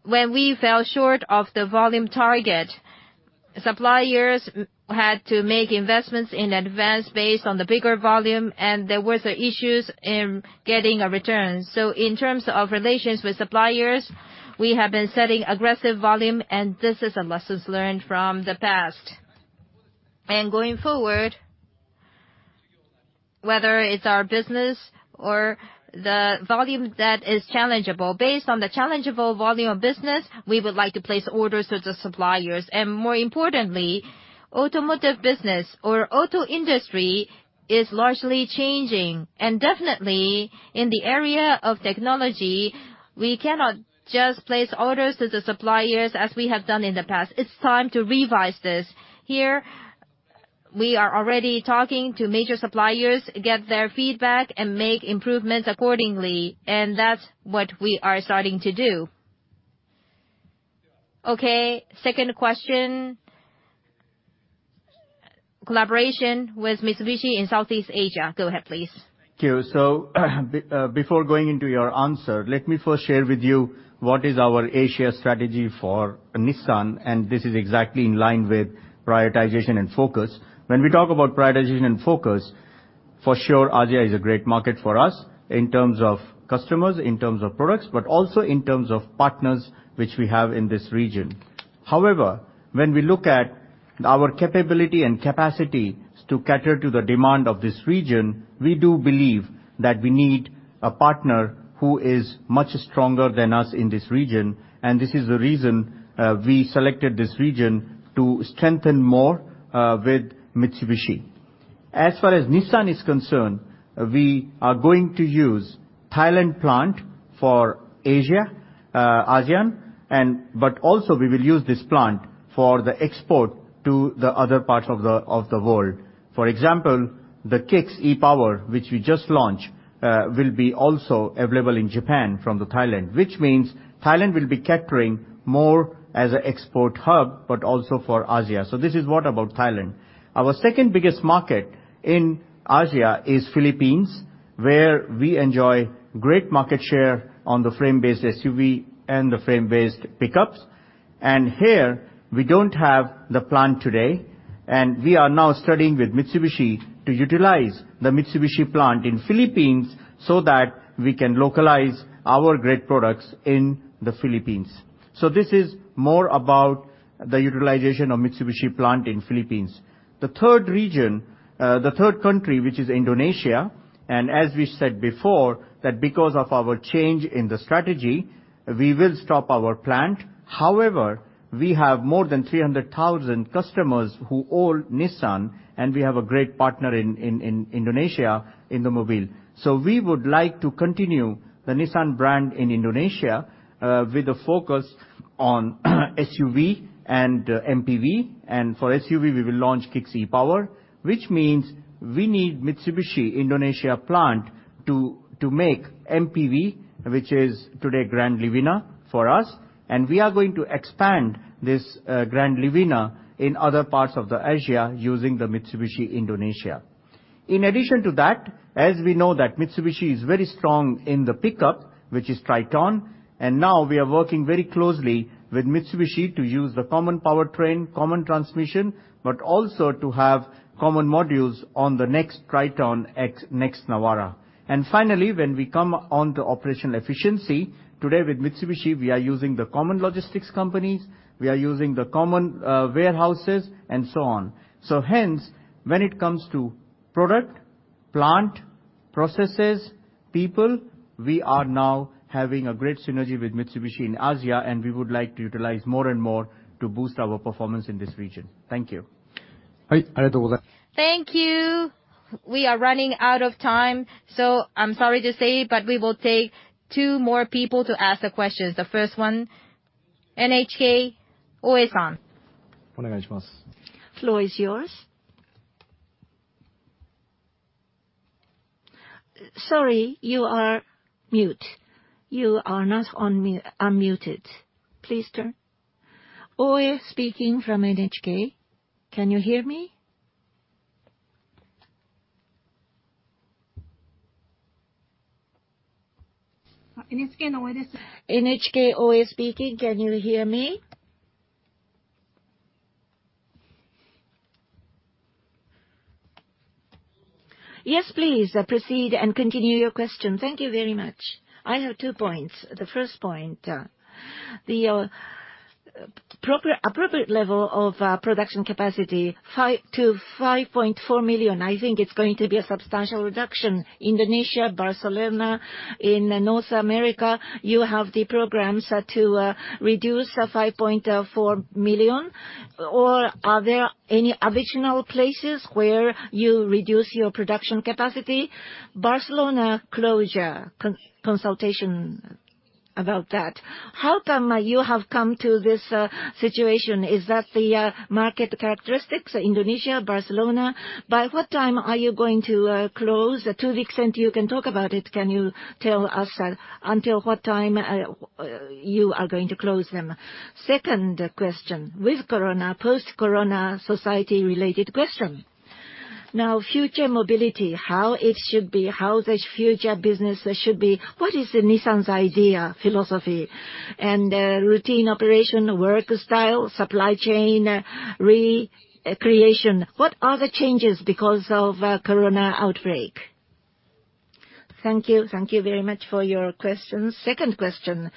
when we fell short of the volume target, suppliers had to make investments in advance based on the bigger volume, and there were the issues in getting a return. In terms of relations with suppliers, we have been setting aggressive volume, and this is a lessons learned from the past. Going forward, whether it's our business or the volume that is challengeable, based on the challengeable volume of business, we would like to place orders with the suppliers. More importantly, automotive business or auto industry is largely changing. Definitely in the area of technology, we cannot just place orders to the suppliers as we have done in the past. It's time to revise this. Here, we are already talking to major suppliers, get their feedback, and make improvements accordingly. That's what we are starting to do. Okay, second question, collaboration with Mitsubishi in Southeast Asia. Go ahead, please. Thank you. Before going into your answer, let me first share with you what is our Asia strategy for Nissan, and this is exactly in line with prioritization and focus. When we talk about prioritization and focus, for sure, Asia is a great market for us in terms of customers, in terms of products, but also in terms of partners which we have in this region. However, when we look at our capability and capacity to cater to the demand of this region, we do believe that we need a partner who is much stronger than us in this region, and this is the reason we selected this region to strengthen more, with Mitsubishi. As far as Nissan is concerned, we are going to use Thailand plant for Asia, ASEAN, but also we will use this plant for the export to the other parts of the world. For example, the Kicks e-POWER, which we just launched, will be also available in Japan from Thailand, which means Thailand will be catering more as an export hub, but also for Asia. This is what about Thailand. Our second biggest market in Asia is Philippines, where we enjoy great market share on the frame-based SUV and the frame-based pickups. Here, we don't have the plant today, and we are now studying with Mitsubishi to utilize the Mitsubishi plant in Philippines so that we can localize our great products in the Philippines. This is more about the utilization of Mitsubishi plant in Philippines. The third region, the third country, which is Indonesia. As we said before, because of our change in the strategy, we will stop our plant. However, we have more than 300,000 customers who own Nissan, and we have a great partner in Indonesia, Indomobil. We would like to continue the Nissan brand in Indonesia, with a focus on SUV and MPV. For SUV, we will launch Kicks e-POWER, which means we need Mitsubishi Indonesia plant to make MPV, which is today Grand Livina for us. We are going to expand this Grand Livina in other parts of Asia using the Mitsubishi Indonesia. In addition to that, as we know that Mitsubishi is very strong in the pickup, which is Triton, and now we are working very closely with Mitsubishi to use the common powertrain, common transmission, but also to have common modules on the next Triton, next Navara. Finally, when we come on to operational efficiency, today with Mitsubishi, we are using the common logistics companies, we are using the common warehouses, and so on. Hence, when it comes to product, plant, processes, people, we are now having a great synergy with Mitsubishi in Asia, and we would like to utilize more and more to boost our performance in this region. Thank you. Thank you. We are running out of time, so I'm sorry to say, but we will take two more people to ask the questions. The first one, NHK, [Oe-san]. Floor is yours. Sorry, you are mute. You are not unmuted. Please turn Oe speaking from NHK. Can you hear me? NHK Oe. NHK Oe speaking, can you hear me? Yes, please proceed and continue your question. Thank you very much. I have two points. The first point, the appropriate level of production capacity to 5.4 million, I think it's going to be a substantial reduction. Indonesia, Barcelona, in North America, you have the programs to reduce 5.4 million, or are there any additional places where you reduce your production capacity? Barcelona closure consultation. About that, how come you have come to this situation? Is that the market characteristics, Indonesia, Barcelona? By what time are you going to close? To the extent you can talk about it, can you tell us until what time you are going to close them? Second question. With corona, post-corona society related question. Future mobility, how it should be, how the future business should be, what is Nissan's idea, philosophy? Routine operation, work style, supply chain recreation, what are the changes because of COVID-19 outbreak? Thank you very much for your questions. Second question.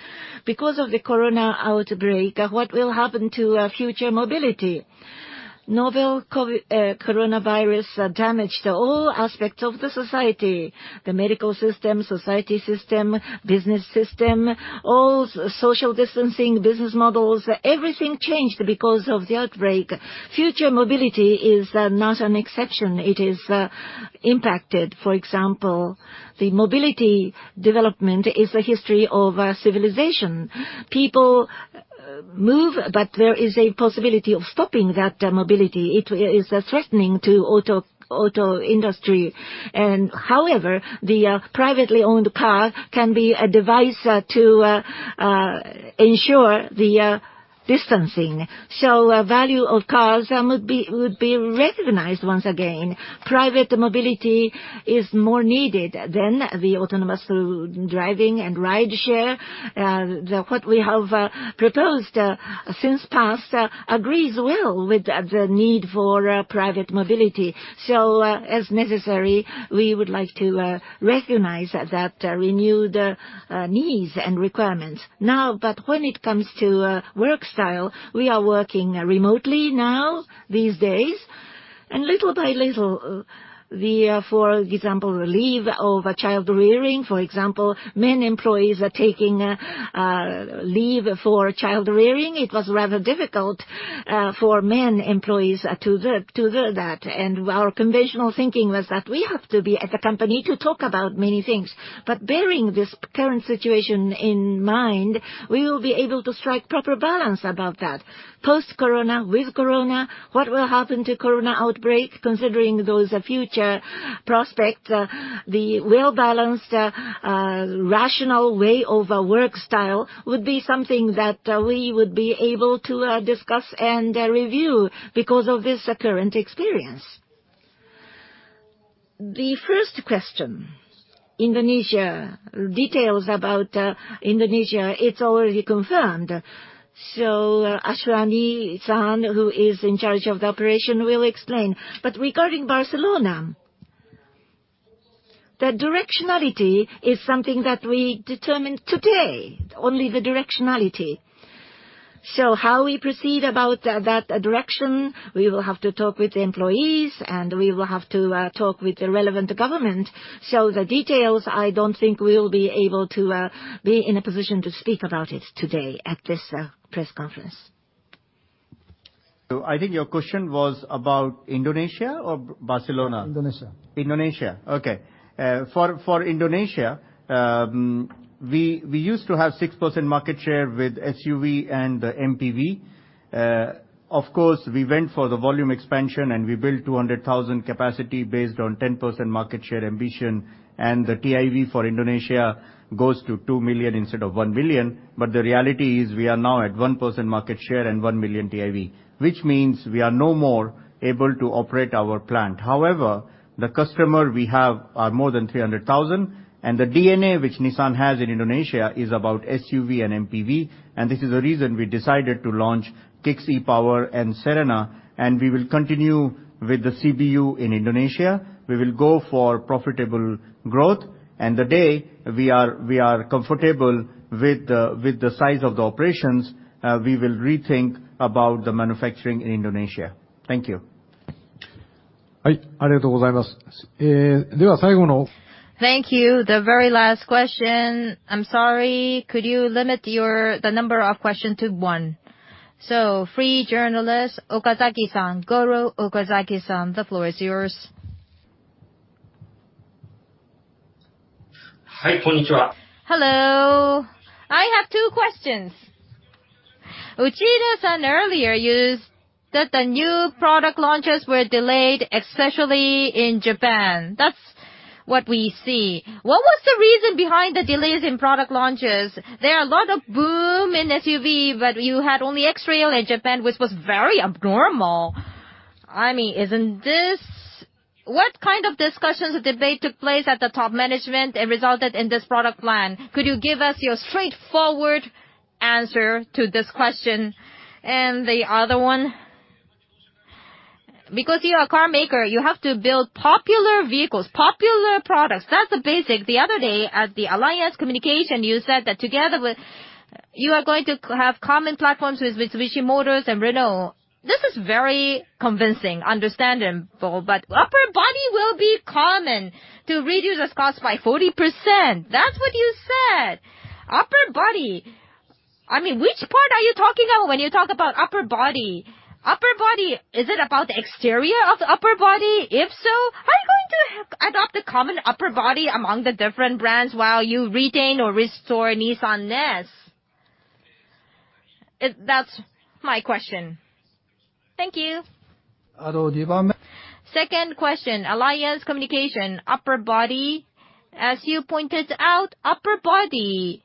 Because of the COVID-19 outbreak, what will happen to future mobility? Novel coronavirus damaged all aspects of the society, the medical system, society system, business system, all social distancing, business models, everything changed because of the outbreak. Future mobility is not an exception. It is impacted. For example, the mobility development is a history of civilization. People move, but there is a possibility of stopping that mobility. It is threatening to auto industry. However, the privately owned car can be a device to ensure the distancing. Value of cars would be recognized once again. Private mobility is more needed than the autonomous driving and ride share. What we have proposed since past agrees well with the need for private mobility. As necessary, we would like to recognize that renewed needs and requirements. When it comes to work style, we are working remotely now these days, and little by little, for example, leave of child rearing, for example, men employees are taking leave for child rearing. It was rather difficult for men employees to do that. Our conventional thinking was that we have to be at the company to talk about many things. Bearing this current situation in mind, we will be able to strike proper balance about that. Post-corona, with corona, what will happen to corona outbreak? Considering those future prospects, the well-balanced, rational way of work style would be something that we would be able to discuss and review because of this current experience. The first question, Indonesia, details about Indonesia, it's already confirmed. Ashwani-san, who is in charge of the operation, will explain. Regarding Barcelona, the directionality is something that we determined today, only the directionality. How we proceed about that direction, we will have to talk with the employees, and we will have to talk with the relevant government. The details, I don't think we'll be able to be in a position to speak about it today at this press conference. I think your question was about Indonesia or Barcelona? Indonesia. Indonesia. Okay. For Indonesia, we used to have 6% market share with SUV and MPV. Of course, we went for the volume expansion, and we built 200,000 capacity based on 10% market share ambition, and the TIV for Indonesia goes to 2 million instead of 1 million. The reality is we are now at 1% market share and 1 million TIV, which means we are no more able to operate our plant. However, the customer we have are more than 300,000, and the DNA which Nissan has in Indonesia is about SUV and MPV, and this is the reason we decided to launch Kicks e-POWER and Serena, and we will continue with the CBU in Indonesia. We will go for profitable growth, and the day we are comfortable with the size of the operations, we will rethink about the manufacturing in Indonesia. Thank you. Thank you very much. Thank you. The very last question. I'm sorry, could you limit the number of question to one? Free journalist, Okazaki-san, Goro Okazaki-san, the floor is yours. Hello. I have two questions. Uchida-san earlier used that the new product launches were delayed, especially in Japan. That's what we see. What was the reason behind the delays in product launches? There are a lot of boom in SUV, you had only X-Trail in Japan, which was very abnormal. What kind of discussions or debate took place at the top management and resulted in this product plan? Could you give us your straightforward answer to this question? The other one, because you are a car maker, you have to build popular vehicles, popular products. That's the basic. The other day at the Alliance communication, you said that together you are going to have common platforms with Mitsubishi Motors and Renault. This is very convincing, understandable, upper body will be common to reduce its cost by 40%. That's what you said. Upper body I mean, which part are you talking about when you talk about upper body? Upper body, is it about the exterior of the upper body? If so, are you going to adopt the common upper body among the different brands while you retain or restore Nissan-ness? That's my question. Thank you. Second question, Alliance communication. Upper body. As you pointed out, upper body.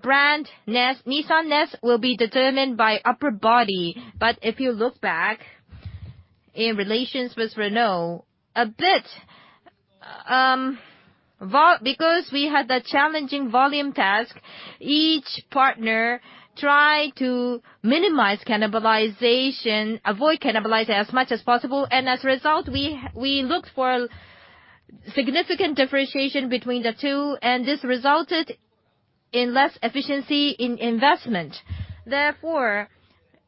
Brand-ness, Nissan-ness, will be determined by upper body. If you look back, in relations with Renault, a bit, because we had the challenging volume task, each partner tried to minimize cannibalization, avoid cannibalizing as much as possible, and as a result, we looked for significant differentiation between the two, and this resulted in less efficiency in investment. Therefore,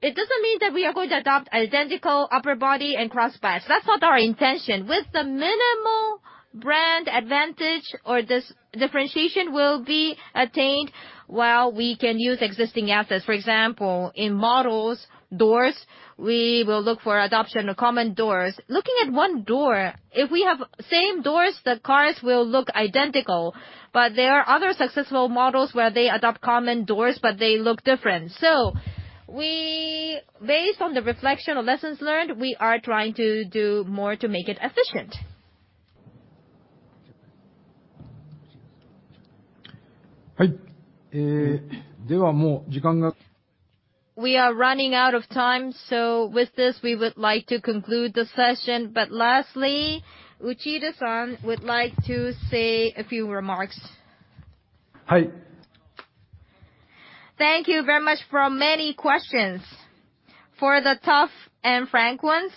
it doesn't mean that we are going to adopt identical upper body and cross paths. That's not our intention. With the minimal brand advantage or this differentiation will be attained while we can use existing assets. For example, in models, doors, we will look for adoption of common doors. Looking at one door, if we have same doors, the cars will look identical. There are other successful models where they adopt common doors, but they look different. Based on the reflection of lessons learned, we are trying to do more to make it efficient. We are running out of time, with this, we would like to conclude the session. Lastly, Uchida-san would like to say a few remarks. Thank you very much for many questions. For the tough and frank ones,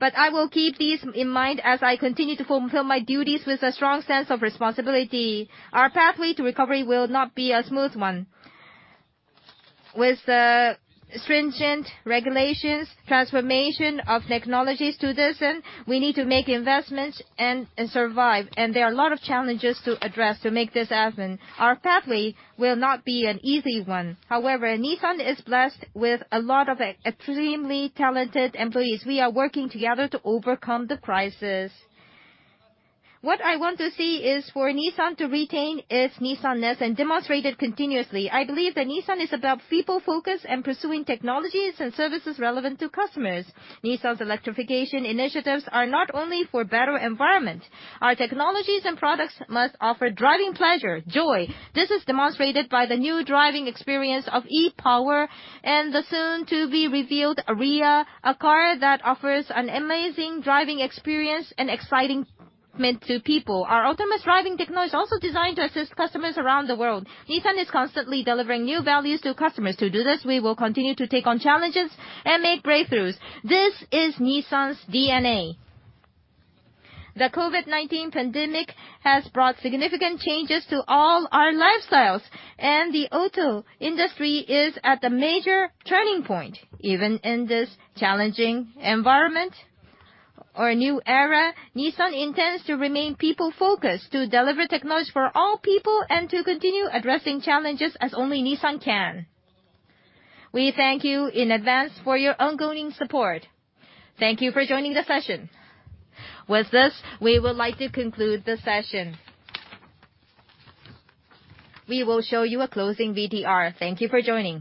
I will keep these in mind as I continue to fulfill my duties with a strong sense of responsibility. Our pathway to recovery will not be a smooth one. With the stringent regulations, transformation of technologies to this end, we need to make investments and survive. There are a lot of challenges to address to make this happen. Our pathway will not be an easy one. However, Nissan is blessed with a lot of extremely talented employees. We are working together to overcome the crisis. What I want to see is for Nissan to retain its Nissan-ness and demonstrate it continuously. I believe that Nissan is about people focus and pursuing technologies and services relevant to customers. Nissan's electrification initiatives are not only for better environment. Our technologies and products must offer driving pleasure, joy. This is demonstrated by the new driving experience of e-POWER and the soon to be revealed Ariya, a car that offers an amazing driving experience and excitement to people. Our autonomous driving technology is also designed to assist customers around the world. Nissan is constantly delivering new values to customers. To do this, we will continue to take on challenges and make breakthroughs. This is Nissan's DNA. The COVID-19 pandemic has brought significant changes to all our lifestyles, and the auto industry is at a major turning point. Even in this challenging environment or new era, Nissan intends to remain people-focused, to deliver technology for all people, and to continue addressing challenges as only Nissan can. We thank you in advance for your ongoing support. Thank you for joining the session. With this, we would like to conclude the session. We will show you a closing VTR. Thank you for joining.